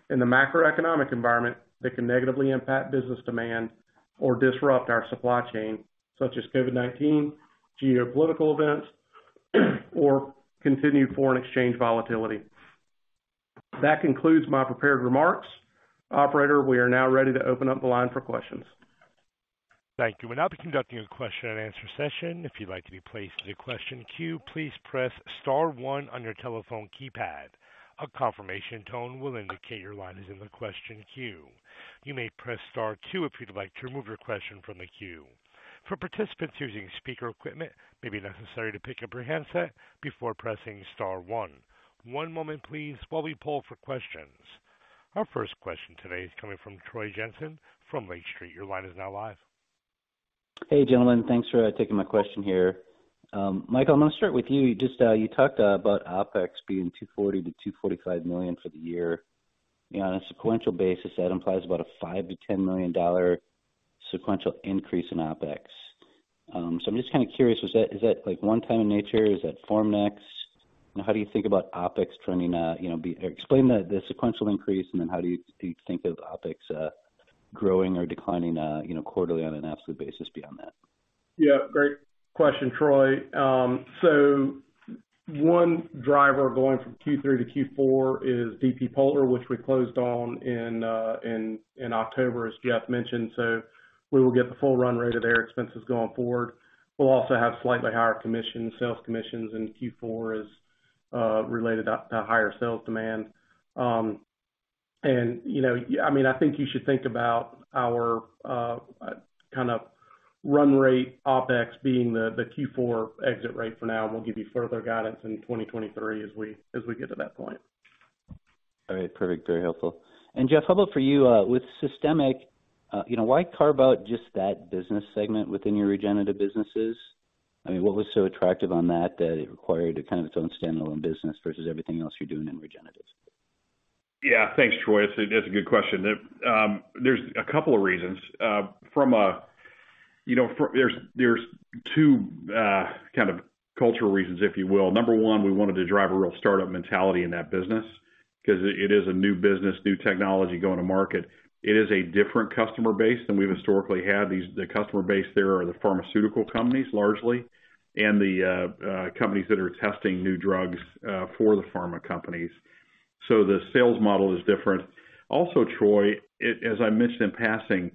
in the macroeconomic environment that can negatively impact business demand or disrupt our supply chain, such as COVID-19, geopolitical events, or continued foreign exchange volatility. That concludes my prepared remarks. Operator, we are now ready to open up the line for questions. Thank you. We'll now be conducting a question and answer session. If you'd like to be placed in the question queue, please press star one on your telephone keypad. A confirmation tone will indicate your line is in the question queue. You may press star two if you'd like to remove your question from the queue. For participants using speaker equipment, it may be necessary to pick up your handset before pressing star one. One moment please while we poll for questions. Our first question today is coming from Troy Jensen from Lake Street. Your line is now live. Hey, gentlemen. Thanks for taking my question here. Michael, I'm gonna start with you. You just talked about OpEx being $240 million-$245 million for the year. On a sequential basis, that implies about a $5 million-$10 million sequential increase in OpEx. So I'm just kinda curious, is that like one-time in nature? Is that Formnext? How do you think about OpEx trending, you know, explain the sequential increase, and then how do you think of OpEx growing or declining, you know, quarterly on an absolute basis beyond that? Yeah. Great question, Troy. One driver going from Q3 to Q4 is dp polar GmbH, which we closed on in October, as Jeff mentioned. We will get the full run rate of their expenses going forward. We'll also have slightly higher commission, sales commissions in Q4 as related to higher sales demand. I mean, I think you should think about our kind of run rate, OpEx being the Q4 exit rate for now. We'll give you further guidance in 2023 as we get to that point. All right. Perfect. Very helpful. Jeff, how about for you, with Systemic Bio, you know, why carve out just that business segment within your regenerative businesses? I mean, what was so attractive about that that it required a kind of its own standalone business versus everything else you're doing in regenerative? Yeah. Thanks, Troy. That's a good question. There's a couple of reasons. There's two kind of cultural reasons, if you will. Number one, we wanted to drive a real startup mentality in that business 'cause it is a new business, new technology going to market. It is a different customer base than we've historically had. The customer base there are the pharmaceutical companies largely, and the companies that are testing new drugs for the pharma companies. So the sales model is different. Also, Troy, as I mentioned in passing,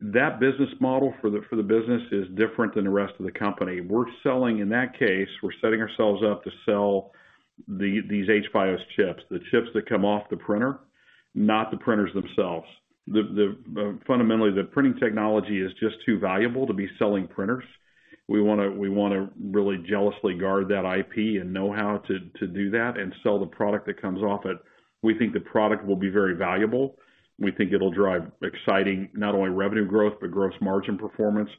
that business model for the business is different than the rest of the company. We're selling, in that case, we're setting ourselves up to sell these h-VIOS chips, the chips that come off the printer, not the printers themselves. Fundamentally, the printing technology is just too valuable to be selling printers. We wanna really jealously guard that IP and know how to do that and sell the product that comes off it. We think the product will be very valuable. We think it'll drive exciting not only revenue growth, but gross margin performance.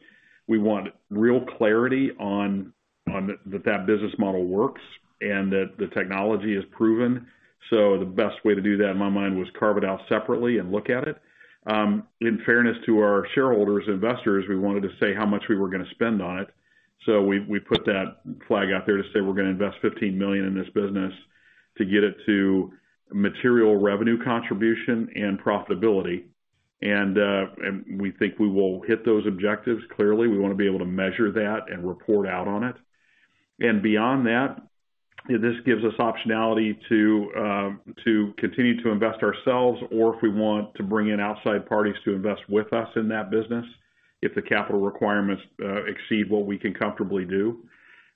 We want real clarity on that business model works and that the technology is proven. The best way to do that, in my mind, was carve it out separately and look at it. In fairness to our shareholders and investors, we wanted to say how much we were gonna spend on it. We put that flag out there to say, "We're gonna invest $15 million in this business to get it to material revenue contribution and profitability." We think we will hit those objectives. Clearly, we wanna be able to measure that and report out on it. Beyond that, this gives us optionality to continue to invest ourselves or if we want to bring in outside parties to invest with us in that business if the capital requirements exceed what we can comfortably do.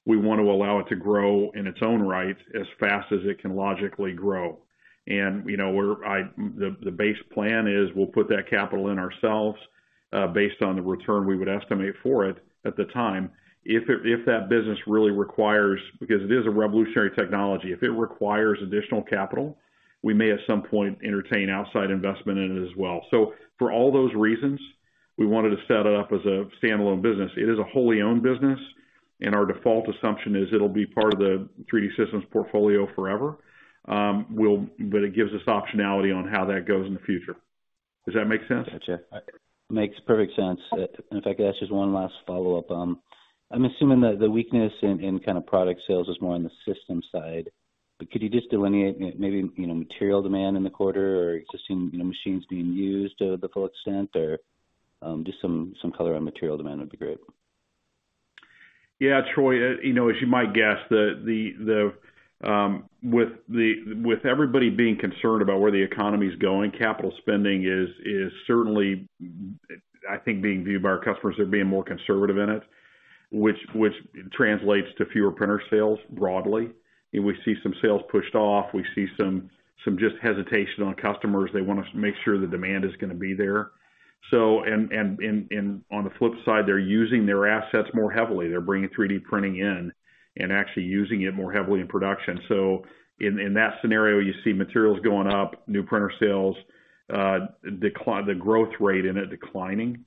We want to allow it to grow in its own right as fast as it can logically grow. You know, the base plan is we'll put that capital in ourselves. Based on the return we would estimate for it at the time. If that business really requires... Because it is a revolutionary technology, if it requires additional capital, we may at some point entertain outside investment in it as well. For all those reasons, we wanted to set it up as a standalone business. It is a wholly owned business, and our default assumption is it'll be part of the 3D Systems portfolio forever. It gives us optionality on how that goes in the future. Does that make sense? Got you. Makes perfect sense. If I could ask just one last follow-up, I'm assuming that the weakness in kind of product sales is more on the system side. Could you just delineate maybe, you know, material demand in the quarter or existing, you know, machines being used to the full extent? Or just some color on material demand would be great. Yeah, Troy, you know, as you might guess, with everybody being concerned about where the economy is going, capital spending is certainly, I think, being viewed by our customers as being more conservative in it, which translates to fewer printer sales broadly. We see some sales pushed off. We see some just hesitation on customers. They want to make sure the demand is going to be there. On the flip side, they're using their assets more heavily. They're bringing 3D printing in and actually using it more heavily in production. In that scenario, you see materials going up, new printer sales, the growth rate in it declining.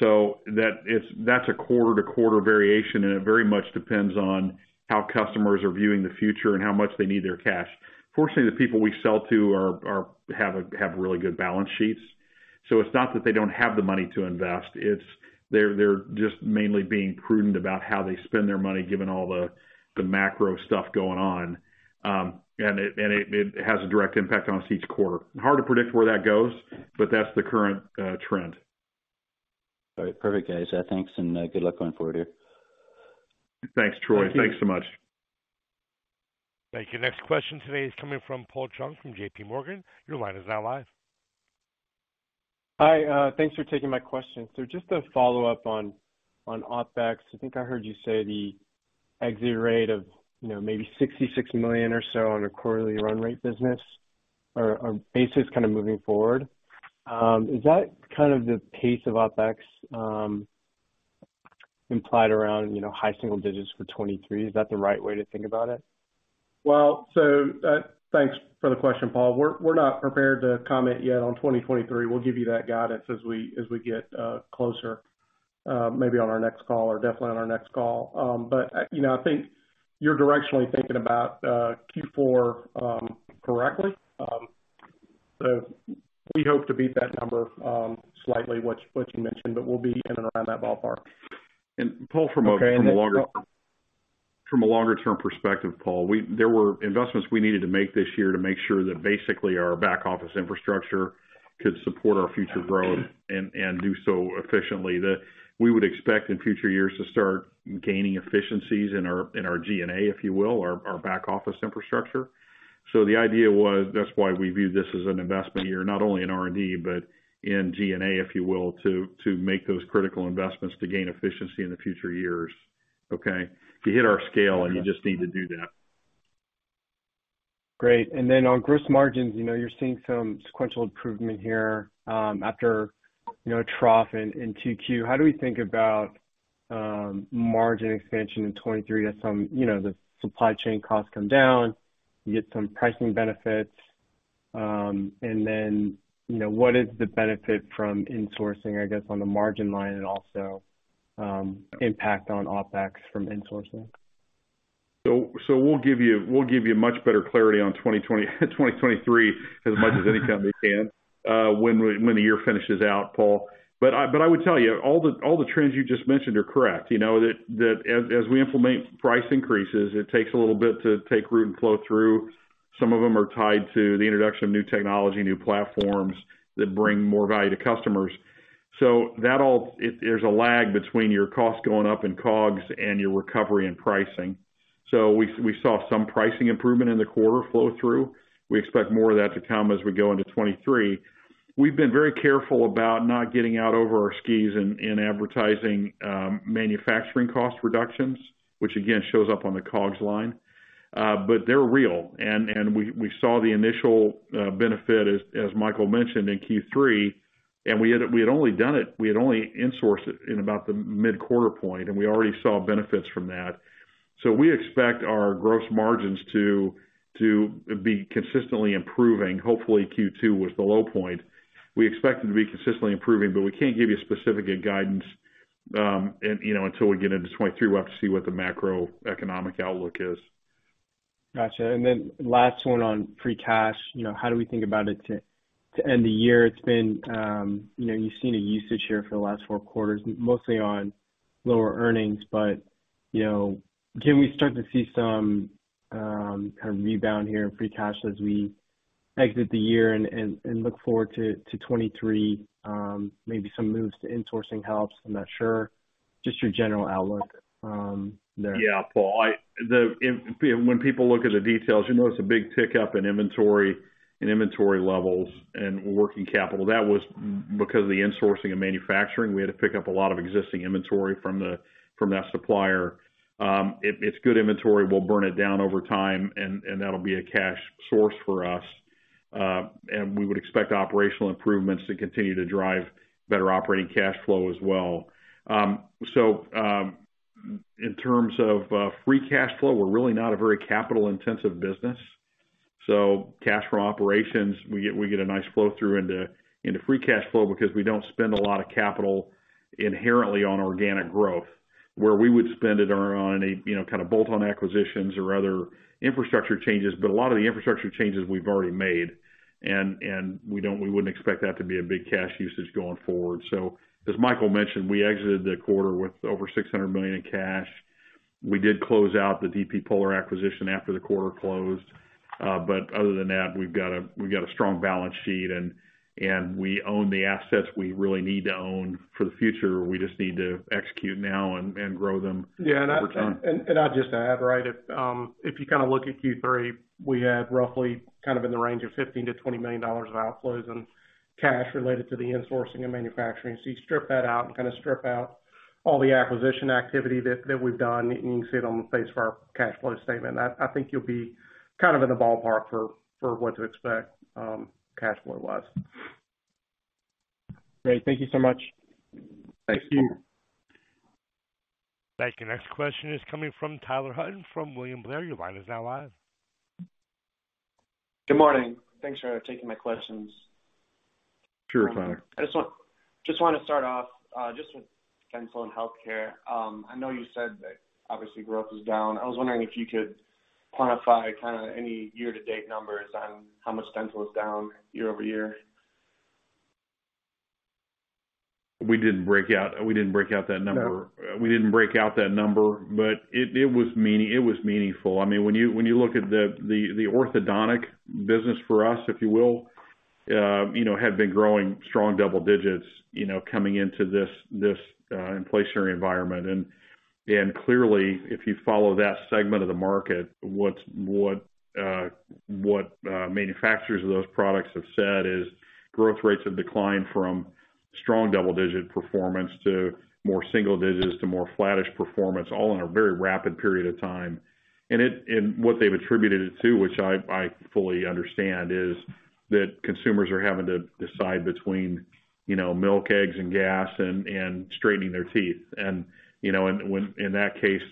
That's a quarter-to-quarter variation, and it very much depends on how customers are viewing the future and how much they need their cash. Fortunately, the people we sell to have really good balance sheets. It's not that they don't have the money to invest, it's they're just mainly being prudent about how they spend their money, given all the macro stuff going on. It has a direct impact on us each quarter. Hard to predict where that goes, but that's the current trend. All right. Perfect, guys. Thanks, and good luck going forward here. Thanks, Troy. Thanks so much. Thank you. Next question today is coming from Paul Cheung from JP Morgan. Your line is now live. Hi. Thanks for taking my question. Just a follow-up on OpEx. I think I heard you say the exit rate of, you know, maybe $60 million or so on a quarterly run rate business or basis kind of moving forward. Is that kind of the pace of OpEx implied around, you know, high single digits% for 2023? Is that the right way to think about it? Well, thanks for the question, Paul. We're not prepared to comment yet on 2023. We'll give you that guidance as we get closer, maybe on our next call or definitely on our next call. You know, I think you're directionally thinking about Q4 correctly. We hope to beat that number slightly, which you mentioned, but we'll be in and around that ballpark. Paul, from a longer. Okay. From a longer-term perspective, Paul, there were investments we needed to make this year to make sure that basically our back-office infrastructure could support our future growth and do so efficiently, that we would expect in future years to start gaining efficiencies in our G&A, if you will, our back-office infrastructure. The idea was, that's why we view this as an investment year, not only in R&D, but in G&A, if you will, to make those critical investments to gain efficiency in the future years. Okay? To hit our scale, and you just need to do that. Great. Then on gross margins, you know, you're seeing some sequential improvement here, after, you know, a trough in 2Q. How do we think about margin expansion in 2023 as some, you know, the supply chain costs come down, you get some pricing benefits. And then, you know, what is the benefit from insourcing, I guess, on the margin line and also, impact on OpEx from insourcing? We'll give you much better clarity on 2023 as much as any company can, when the year finishes out, Paul. I would tell you, all the trends you just mentioned are correct. You know, that as we implement price increases, it takes a little bit to take root and flow through. Some of them are tied to the introduction of new technology, new platforms that bring more value to customers. That there's a lag between your costs going up in COGS and your recovery in pricing. We saw some pricing improvement in the quarter, flow through. We expect more of that to come as we go into 2023. We've been very careful about not getting out over our skis in advertising manufacturing cost reductions, which again shows up on the COGS line. But they're real. We saw the initial benefit as Michael mentioned in Q3. We had only insourced it in about the mid-quarter point, and we already saw benefits from that. We expect our gross margins to be consistently improving. Hopefully, Q2 was the low point. We expect them to be consistently improving, but we can't give you specific guidance, and you know, until we get into 2023. We'll have to see what the macroeconomic outlook is. Got you. Last one on free cash. You know, how do we think about it to end the year? It's been, you know, you've seen a usage here for the last four quarters, mostly on lower earnings. You know, can we start to see some kind of rebound here in free cash as we exit the year and look forward to 2023? Maybe some moves to insourcing helps? I'm not sure. Just your general outlook there. Yeah, Paul. When people look at the details, you notice a big tick up in inventory levels and working capital. That was because of the insourcing of manufacturing. We had to pick up a lot of existing inventory from that supplier. It's good inventory. We'll burn it down over time, and that'll be a cash source for us. We would expect operational improvements to continue to drive better operating cash flow as well. In terms of free cash flow, we're really not a very capital-intensive business. Cash from operations, we get a nice flow-through into free cash flow because we don't spend a lot of capital inherently on organic growth, where we would spend it on a kind of bolt-on acquisitions or other infrastructure changes. A lot of the infrastructure changes we've already made, and we wouldn't expect that to be a big cash usage going forward. As Michael mentioned, we exited the quarter with over $600 million in cash. We did close out the dp polar acquisition after the quarter closed. Other than that, we've got a strong balance sheet, and we own the assets we really need to own for the future. We just need to execute now and grow them over time. I'd just add, right, if you kind of look at Q3, we had roughly kind of in the range of $15 million-$20 million of outflows of cash related to the insourcing and manufacturing. You strip that out and kind of strip out all the acquisition activity that we've done, and you can see it on the face of our cash flow statement. I think you'll be kind of in the ballpark for what to expect, cash flow-wise. Great. Thank you so much. Thank you. Thank you. Thank you. Next question is coming from Brian Drab from William Blair. Your line is now live. Good morning. Thanks for taking my questions. Sure, Brian. I just wanna start off just with dental and healthcare. I know you said that obviously growth is down. I was wondering if you could quantify kind of any year-to-date numbers on how much dental is down year-over-year. We didn't break out that number. No. We didn't break out that number, but it was meaningful. I mean, when you look at the orthodontic business for us, if you will, you know, had been growing strong double digits, you know, coming into this inflationary environment. Clearly, if you follow that segment of the market, what manufacturers of those products have said is growth rates have declined from strong double-digit performance to more single digits to more flattish performance, all in a very rapid period of time. What they've attributed it to, which I fully understand, is that consumers are having to decide between milk, eggs, and gas and straightening their teeth. In that case,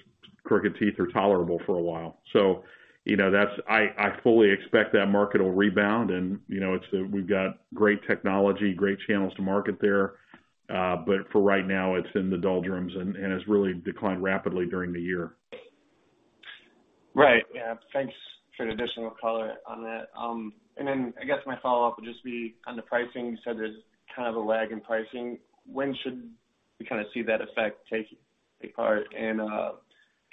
crooked teeth are tolerable for a while. You know, that's. I fully expect that market will rebound and, you know, it's we've got great technology, great channels to market there. But for right now, it's in the doldrums and has really declined rapidly during the year. Right. Yeah. Thanks for the additional color on that. Then I guess my follow-up would just be on the pricing. You said there's kind of a lag in pricing. When should we kinda see that effect take effect?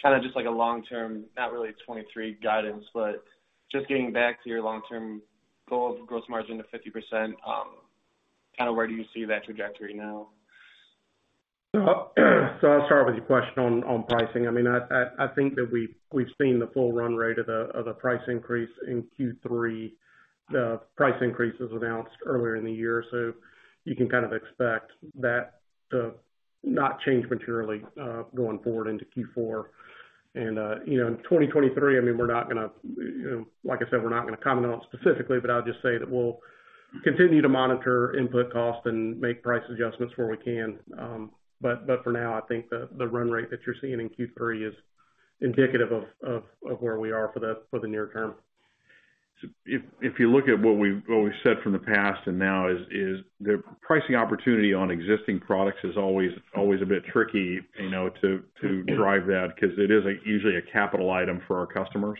Kinda just like a long-term, not really 2023 guidance, but just getting back to your long-term goal of gross margin to 50%, kinda where do you see that trajectory now? I'll start with your question on pricing. I mean, I think that we've seen the full run rate of the price increase in Q3, the price increases announced earlier in the year. You can kind of expect that to not change materially going forward into Q4. You know, in 2023, I mean, we're not gonna, you know, like I said, we're not gonna comment on it specifically, but I'll just say that we'll continue to monitor input costs and make price adjustments where we can. But for now, I think the run rate that you're seeing in Q3 is indicative of where we are for the near term. If you look at what we've said from the past and now is the pricing opportunity on existing products is always a bit tricky, you know, to drive that 'cause it is, like, usually a capital item for our customers,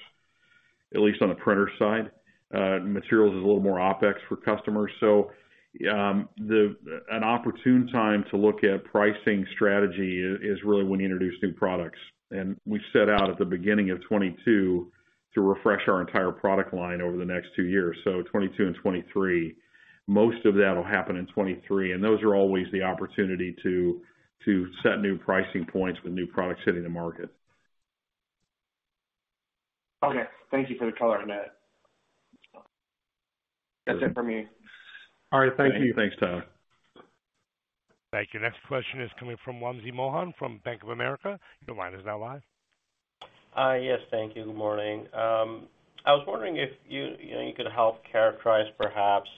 at least on the printer side. Materials is a little more OpEx for customers. An opportune time to look at pricing strategy is really when you introduce new products. We set out at the beginning of 2022 to refresh our entire product line over the next two years, so 2022 and 2023. Most of that'll happen in 2023, and those are always the opportunity to set new pricing points with new products hitting the market. Okay. Thank you for the color on that. That's it from me. All right. Thank you. Thanks, Brian Drab. Thank you. Next question is coming from Wamsi Mohan from Bank of America. Your line is now live. Yes, thank you. Good morning. I was wondering if, you know, you could help characterize perhaps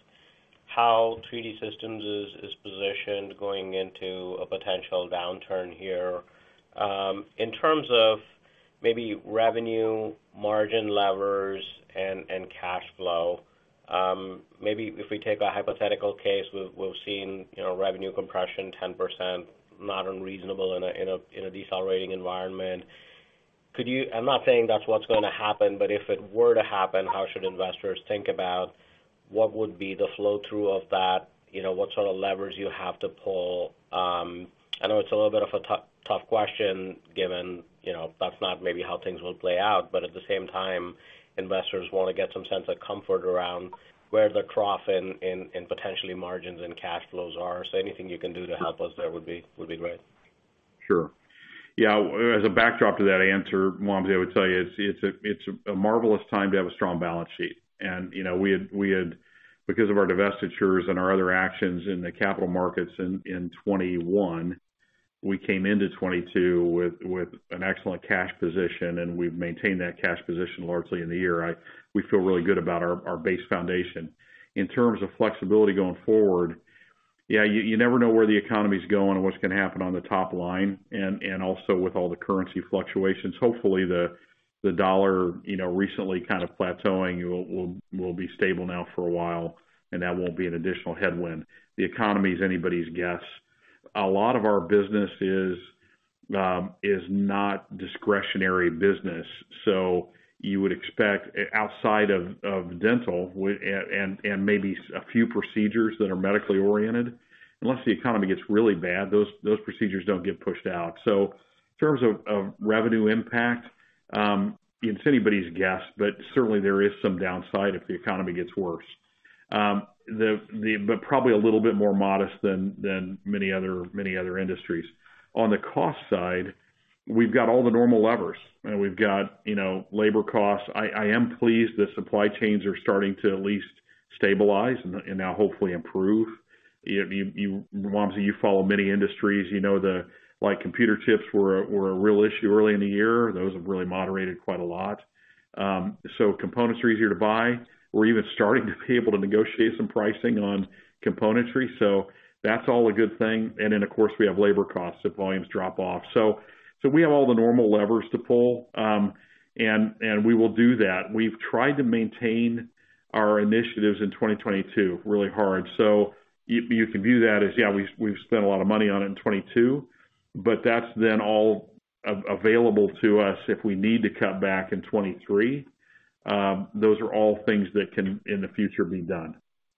how 3D Systems is positioned going into a potential downturn here, in terms of maybe revenue, margin levers, and cash flow. Maybe if we take a hypothetical case, we've seen revenue compression 10%, not unreasonable in a decelerating environment. Could you? I'm not saying that's what's gonna happen, but if it were to happen, how should investors think about what would be the flow-through of that? What sort of levers you have to pull? I know it's a little bit of a tough question given, you know, that's not maybe how things will play out, but at the same time, investors wanna get some sense of comfort around where the trough in potentially margins and cash flows are. Anything you can do to help us there would be great. Sure. Yeah. As a backdrop to that answer, Vamsi, I would tell you it's a marvelous time to have a strong balance sheet. You know, we had because of our divestitures and our other actions in the capital markets in 2021. We came into 2022 with an excellent cash position, and we've maintained that cash position largely in the year. We feel really good about our base foundation. In terms of flexibility going forward, yeah, you never know where the economy's going or what's gonna happen on the top line and also with all the currency fluctuations. Hopefully, the dollar you know, recently kind of plateauing will be stable now for a while, and that won't be an additional headwind. The economy is anybody's guess. A lot of our business is not discretionary business, so you would expect outside of dental and maybe a few procedures that are medically oriented, unless the economy gets really bad, those procedures don't get pushed out. In terms of revenue impact, it's anybody's guess, but certainly there is some downside if the economy gets worse. But probably a little bit more modest than many other industries. On the cost side, we've got all the normal levers, and we've got you know, labor costs. I am pleased that supply chains are starting to at least stabilize and now hopefully improve. You, Wamsi, you follow many industries. You know the like, computer chips were a real issue early in the year. Those have really moderated quite a lot. Components are easier to buy. We're even starting to be able to negotiate some pricing on componentry. That's all a good thing. Of course, we have labor costs if volumes drop off. We have all the normal levers to pull, and we will do that. We've tried to maintain our initiatives in 2022 really hard. You can view that as, yeah, we've spent a lot of money on it in 2022, but that's then all available to us if we need to cut back in 2023. Those are all things that can, in the future, be done.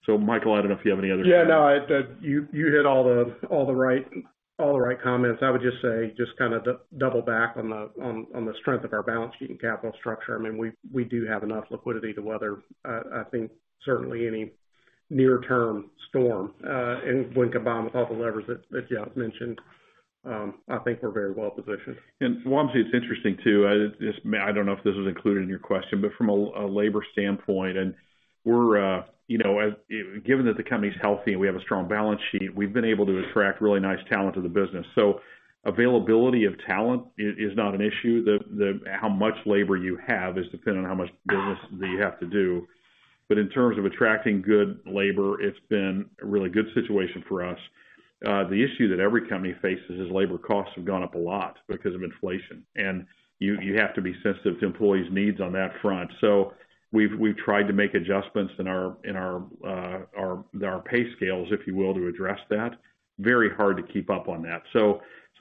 Michael, I don't know if you have any other- Yeah, no, you hit all the right comments. I would just say, just kinda double back on the strength of our balance sheet and capital structure. I mean, we do have enough liquidity to weather, I think, certainly any near-term storm. When combined with all the levers that Jeff mentioned, I think we're very well positioned. Wamsi, it's interesting, too. This may I don't know if this was included in your question, but from a labor standpoint, Given that the company's healthy and we have a strong balance sheet, we've been able to attract really nice talent to the business. So availability of talent is not an issue. How much labor you have is dependent on how much business that you have to do. But in terms of attracting good labor, it's been a really good situation for us. The issue that every company faces is labor costs have gone up a lot because of inflation, and you have to be sensitive to employees' needs on that front. So we've tried to make adjustments in our pay scales, if you will, to address that. Very hard to keep up on that.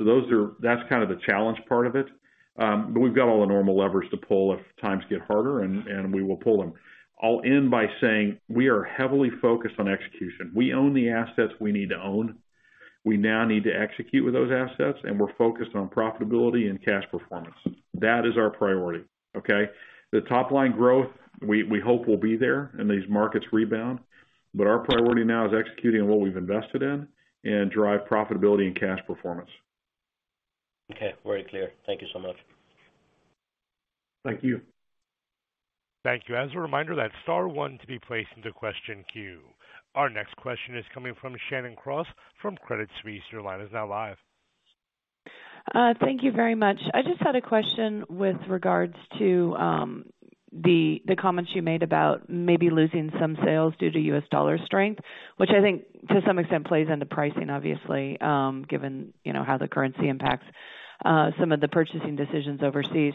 Those are, that's kind of the challenge part of it. We've got all the normal levers to pull if times get harder, and we will pull them. I'll end by saying we are heavily focused on execution. We own the assets we need to own. We now need to execute with those assets, and we're focused on profitability and cash performance. That is our priority, okay? The top line growth, we hope will be there, and these markets rebound. Our priority now is executing on what we've invested in and drive profitability and cash performance. Okay, very clear. Thank you so much. Thank you. Thank you. As a reminder, that's star one to be placed into question queue. Our next question is coming from Shannon Cross from Credit Suisse. Your line is now live. Thank you very much. I just had a question with regards to the comments you made about maybe losing some sales due to U.S. dollar strength, which I think, to some extent, plays into pricing, obviously, given you know how the currency impacts some of the purchasing decisions overseas.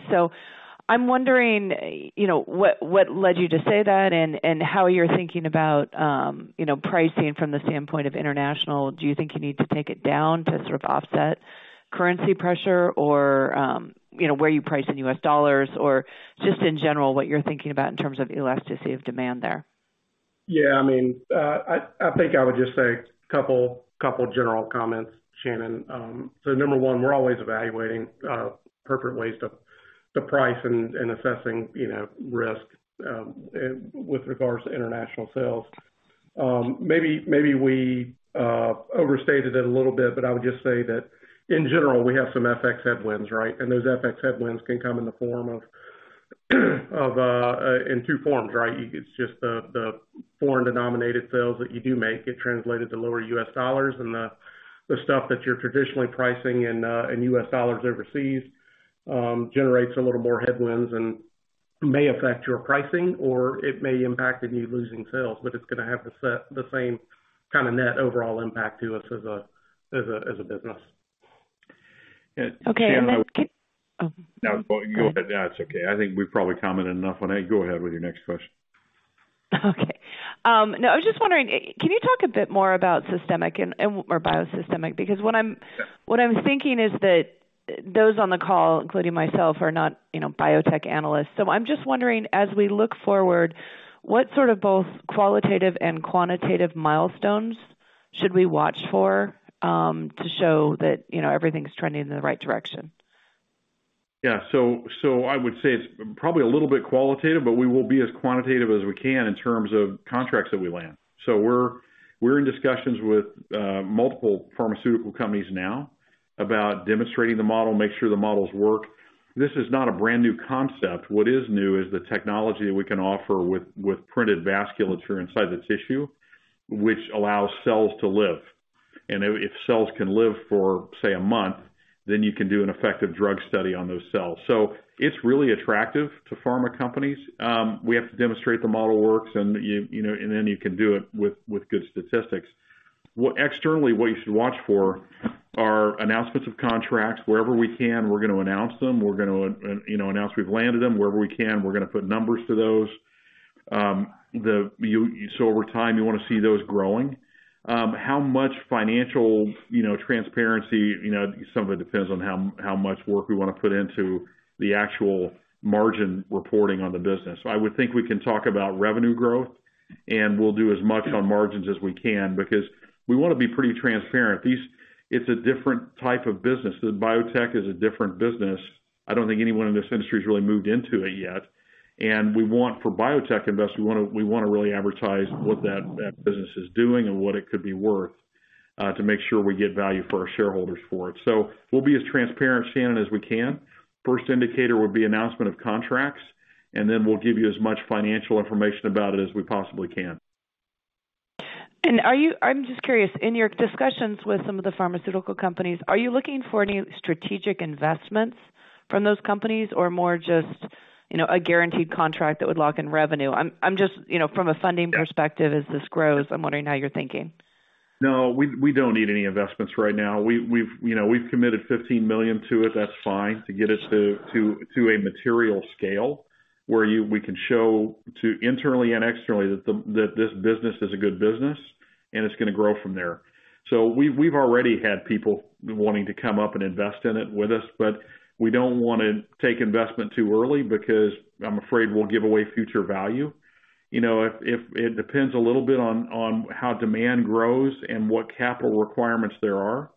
I'm wondering what led you to say that and how you're thinking about pricing from the standpoint of international. Do you think you need to take it down to sort of offset currency pressure? Or you know where you price in U.S. dollars, or just in general, what you're thinking about in terms of elasticity of demand there. Yeah, I mean, I think I would just say couple general comments, Shannon. So number one, we're always evaluating perfect ways to price and assessing, you know, risk with regards to international sales. Maybe we overstated it a little bit, but I would just say that in general, we have some FX headwinds, right? Those FX headwinds can come in the form of in two forms, right? It's just the foreign denominated sales that you do make get translated to lower U.S. dollars and the stuff that you're traditionally pricing in U.S. dollars overseas generates a little more headwinds and may affect your pricing, or it may impact you losing sales, but it's gonna have the same kinda net overall impact to us as a business. Okay. Yeah, Shannon. Oh. No, go ahead. That's okay. I think we've probably commented enough on it. Go ahead with your next question. Okay. No, I was just wondering, can you talk a bit more about Systemic Bio and more Systemic Bio? Because what I'm- Yeah. What I'm thinking is that those on the call, including myself, are not, you know, biotech analysts. I'm just wondering, as we look forward, what sort of both qualitative and quantitative milestones should we watch for to show that, you know, everything's trending in the right direction? Yeah. I would say it's probably a little bit qualitative, but we will be as quantitative as we can in terms of contracts that we land. We're in discussions with multiple pharmaceutical companies now about demonstrating the model, make sure the models work. This is not a brand new concept. What is new is the technology that we can offer with printed vasculature inside the tissue, which allows cells to live. If cells can live for, say, a month, then you can do an effective drug study on those cells. It's really attractive to pharma companies. We have to demonstrate the model works, and then you can do it with good statistics. What you should watch for externally are announcements of contracts. Wherever we can, we're gonna announce them. We're gonna announce we've landed them. Wherever we can, we're gonna put numbers to those. Over time, you wanna see those growing. How much financial transparency some of it depends on how much work we wanna put into the actual margin reporting on the business. I would think we can talk about revenue growth, and we'll do as much on margins as we can because we wanna be pretty transparent. It's a different type of business. The biotech is a different business. I don't think anyone in this industry has really moved into it yet. We want, for biotech investment, we wanna really advertise what that business is doing and what it could be worth to make sure we get value for our shareholders for it. We'll be as transparent, Shannon, as we can. First indicator will be announcement of contracts, and then we'll give you as much financial information about it as we possibly can. I'm just curious, in your discussions with some of the pharmaceutical companies, are you looking for any strategic investments from those companies or more just, you know, a guaranteed contract that would lock in revenue? I'm just from a funding perspective. Yeah. As this grows, I'm wondering how you're thinking. No. We don't need any investments right now. We've committed $15 million to it. That's fine, to get us to a material scale where we can show internally and externally that this business is a good business, and it's gonna grow from there. We've already had people wanting to come up and invest in it with us, but we don't wanna take investment too early because I'm afraid we'll give away future value. If it depends a little bit on how demand grows and what capital requirements there are.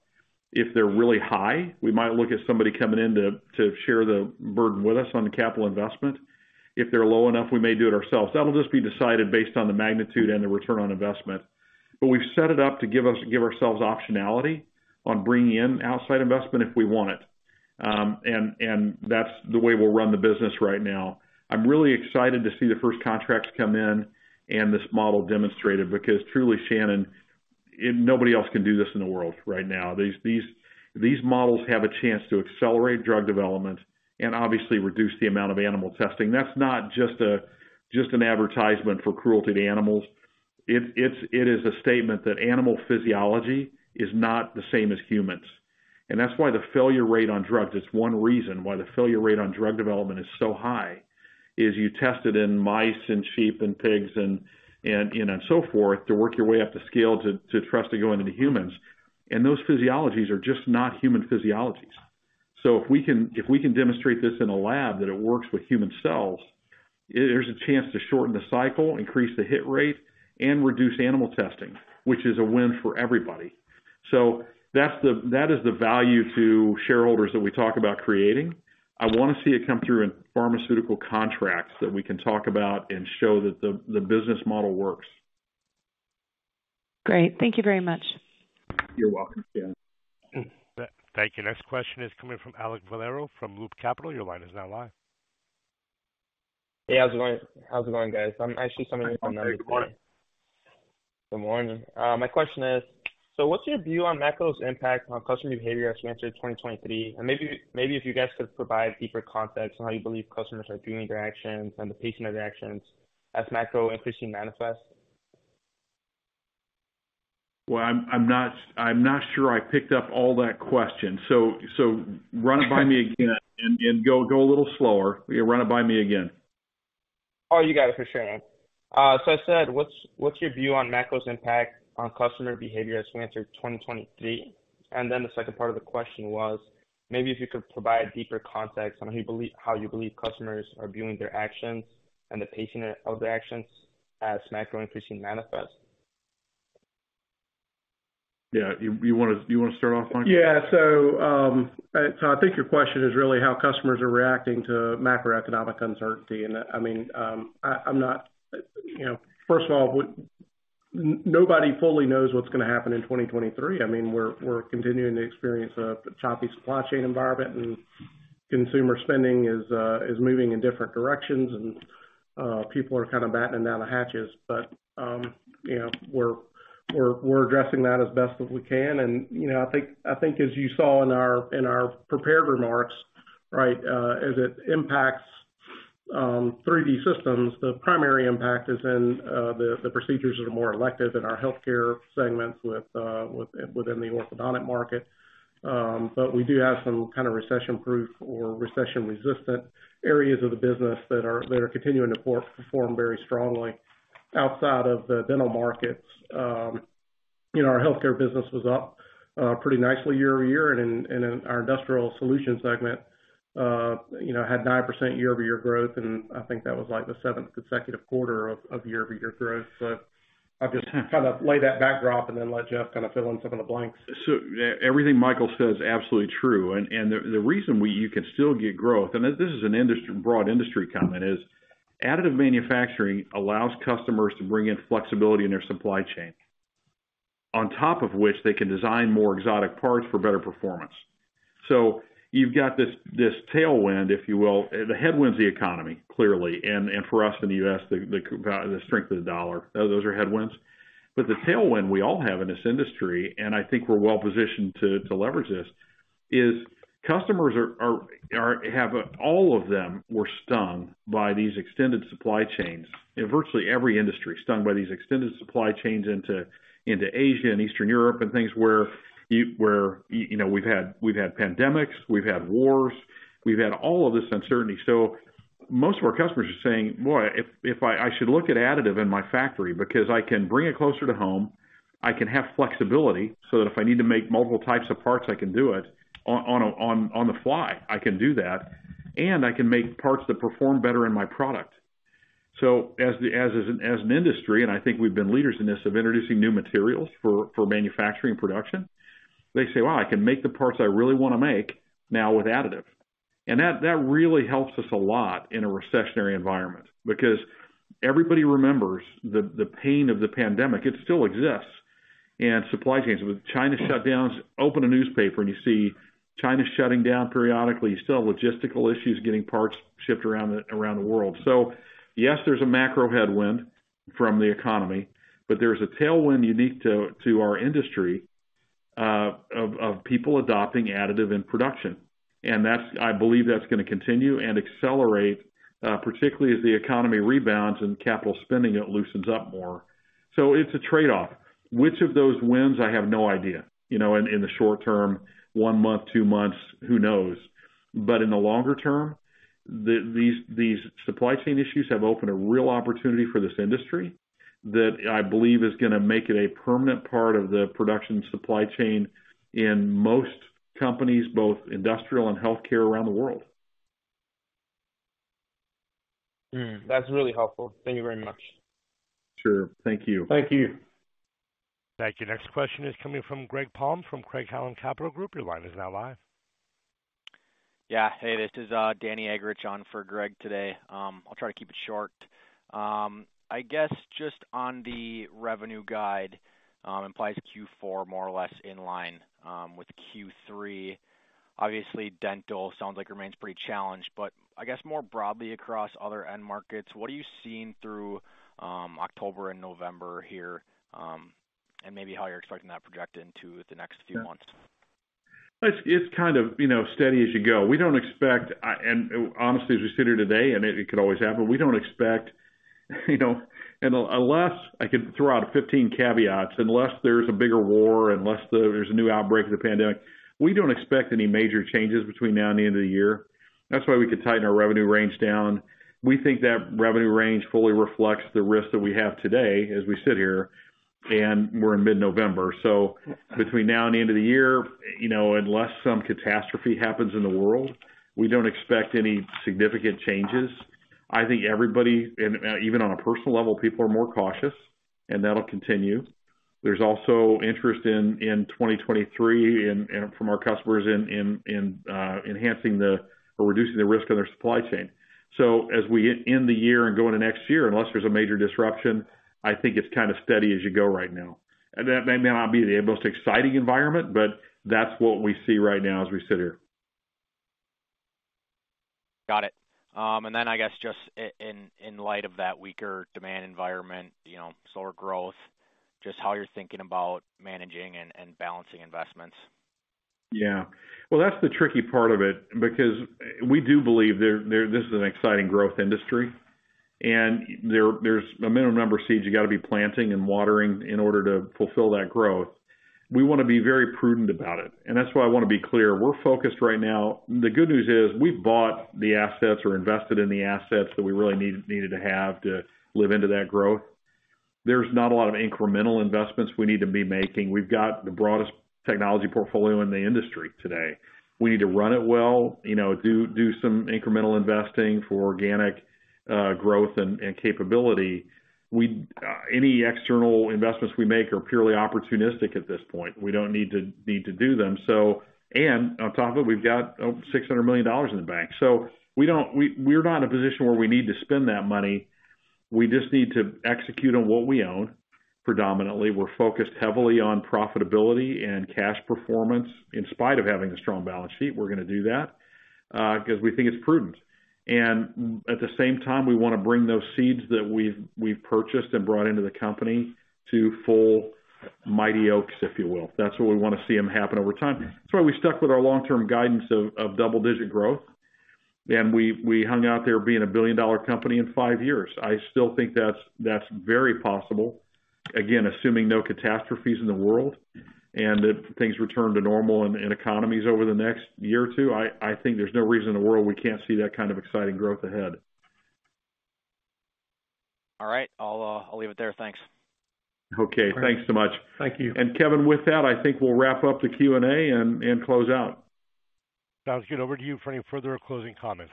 If they're really high, we might look at somebody coming in to share the burden with us on the capital investment. If they're low enough, we may do it ourselves. That'll just be decided based on the magnitude and the return on investment. We've set it up to give ourselves optionality on bringing in outside investment if we want it. That's the way we'll run the business right now. I'm really excited to see the first contracts come in and this model demonstrated because truly, Shannon, nobody else can do this in the world right now. These models have a chance to accelerate drug development and obviously reduce the amount of animal testing. That's not just an advertisement for cruelty to animals. It is a statement that animal physiology is not the same as humans. That's why the failure rate on drugs, it's one reason why the failure rate on drug development is so high, is you test it in mice and sheep and pigs and so forth to work your way up the scale to trust to go into humans. Those physiologies are just not human physiologies. If we can demonstrate this in a lab that it works with human cells, there's a chance to shorten the cycle, increase the hit rate, and reduce animal testing, which is a win for everybody. That is the value to shareholders that we talk about creating. I wanna see it come through in pharmaceutical contracts that we can talk about and show that the business model works. Great. Thank you very much. You're welcome, Shannon. Thank you. Next question is coming from Alek Valero from Loop Capital Markets. Your line is now live. Hey, how's it going? How's it going, guys? I'm actually sending this on- Good morning. Good morning. My question is, what's your view on macro's impact on customer behavior as we enter 2023? Maybe if you guys could provide deeper context on how you believe customers are viewing their actions and the pacing of their actions as macro increasingly manifests. Well, I'm not sure I picked up all that question. Run it by me again and go a little slower. Run it by me again. Oh, you got it. For sure. So I said, what's your view on macro's impact on customer behavior as we enter 2023? Then the second part of the question was, maybe if you could provide deeper context on how you believe customers are viewing their actions and the pacing of their actions as macro increasing manifests. Yeah. You wanna start off, Michael? I think your question is really how customers are reacting to macroeconomic uncertainty. First of all, nobody fully knows what's gonna happen in 2023. We're continuing to experience a choppy supply chain environment, and consumer spending is moving in different directions, and people are kind of battening down the hatches. We're addressing that as best as we can. I think as you saw in our prepared remarks, as it impacts 3D Systems, the primary impact is in the procedures that are more elective in our healthcare segments within the orthodontic market. We do have some kind of recession-proof or recession-resistant areas of the business that are continuing to perform very strongly. Outside of the dental markets, you know, our healthcare business was up pretty nicely year-over-year. Then in our industrial solution segment, you know, had 9% year-over-year growth, and I think that was like the seventh consecutive quarter of year-over-year growth. I'll just kind of lay that backdrop and then let Jeff kind of fill in some of the blanks. Everything Michael says is absolutely true. The reason you can still get growth, and this is a broad industry comment, is additive manufacturing allows customers to bring in flexibility in their supply chain. On top of which they can design more exotic parts for better performance. You've got this tailwind, if you will. The headwind is the economy, clearly. For us in the U.S., the strength of the dollar. Those are headwinds. The tailwind we all have in this industry, and I think we're well-positioned to leverage this, is customers, all of them, were stung by these extended supply chains. Virtually every industry stung by these extended supply chains into Asia and Eastern Europe and things where you know we've had pandemics, we've had wars, we've had all of this uncertainty. Most of our customers are saying, "Boy, if I should look at additive in my factory because I can bring it closer to home. I can have flexibility so that if I need to make multiple types of parts, I can do it on the fly. I can do that. I can make parts that perform better in my product." As an industry, and I think we've been leaders in this of introducing new materials for manufacturing production, they say, "Well, I can make the parts I really wanna make now with additive." That really helps us a lot in a recessionary environment, because everybody remembers the pain of the pandemic. It still exists. Supply chains with China shutdowns. Open a newspaper and you see China shutting down periodically. You still have logistical issues getting parts shipped around the world. Yes, there's a macro headwind from the economy, but there's a tailwind unique to our industry of people adopting additive in production. That's. I believe that's gonna continue and accelerate, particularly as the economy rebounds and capital spending loosens up more. It's a trade-off. Which of those wins, I have no idea. You know, in the short term, one month, two months, who knows? In the longer term, these supply chain issues have opened a real opportunity for this industry that I believe is gonna make it a permanent part of the production supply chain in most companies, both industrial and healthcare around the world. That's really helpful. Thank you very much. Sure. Thank you. Thank you. Thank you. Next question is coming from Greg Palm from Craig-Hallum Capital Group. Your line is now live. Yeah. Hey, this is Danny Eggerichs on for Greg today. I'll try to keep it short. I guess just on the revenue guide, implies Q4 more or less in line with Q3. Obviously, dental sounds like remains pretty challenged, but I guess more broadly across other end markets, what are you seeing through October and November here, and maybe how you're expecting that to project into the next few months? It's kind of, you know, steady as you go. We don't expect. And honestly, as we sit here today, and it could always happen, we don't expect, you know. Unless, I could throw out 15 caveats, unless there's a bigger war, unless there's a new outbreak of the pandemic, we don't expect any major changes between now and the end of the year. That's why we could tighten our revenue range down. We think that revenue range fully reflects the risk that we have today as we sit here, and we're in mid-November. Between now and the end of the year, you know, unless some catastrophe happens in the world, we don't expect any significant changes. I think everybody, and even on a personal level, people are more cautious, and that'll continue. There's also interest in 2023 and from our customers in enhancing or reducing the risk of their supply chain. As we end the year and go into next year, unless there's a major disruption, I think it's kind of steady as you go right now. That may not be the most exciting environment, but that's what we see right now as we sit here. Got it. I guess just in light of that weaker demand environment, you know, slower growth, just how you're thinking about managing and balancing investments? Yeah. Well, that's the tricky part of it because we do believe this is an exciting growth industry, and there's a minimum number of seeds you gotta be planting and watering in order to fulfill that growth. We wanna be very prudent about it, and that's why I wanna be clear. We're focused right now. The good news is we've bought the assets or invested in the assets that we really need to have to live into that growth. There's not a lot of incremental investments we need to be making. We've got the broadest technology portfolio in the industry today. We need to run it well, do some incremental investing for organic growth and capability. Any external investments we make are purely opportunistic at this point. We don't need to do them. So. On top of it, we've got $600 million in the bank. We're not in a position where we need to spend that money. We just need to execute on what we own. Predominantly, we're focused heavily on profitability and cash performance. In spite of having a strong balance sheet, we're gonna do that, 'cause we think it's prudent. At the same time, we wanna bring those seeds that we've purchased and brought into the company to full mighty oaks, if you will. That's what we wanna see them happen over time. That's why we stuck with our long-term guidance of double-digit growth. We hung out there being a billion-dollar company in five years. I still think that's very possible. Again, assuming no catastrophes in the world, and if things return to normal in economies over the next year or two, I think there's no reason in the world we can't see that kind of exciting growth ahead. All right. I'll leave it there. Thanks. Okay. Thanks so much. Thank you. Kevin, with that, I think we'll wrap up the Q&A and close out. Sounds good. Over to you for any further closing comments,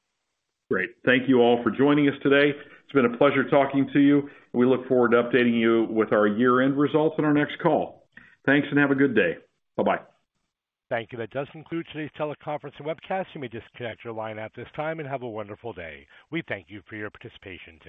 [inaudible] Great. Thank you all for joining us today. It's been a pleasure talking to you, and we look forward to updating you with our year-end results on our next call. Thanks, and have a good day. Bye-bye. Thank you. That does conclude today's teleconference and webcast. You may disconnect your line at this time and have a wonderful day. We thank you for your participation today.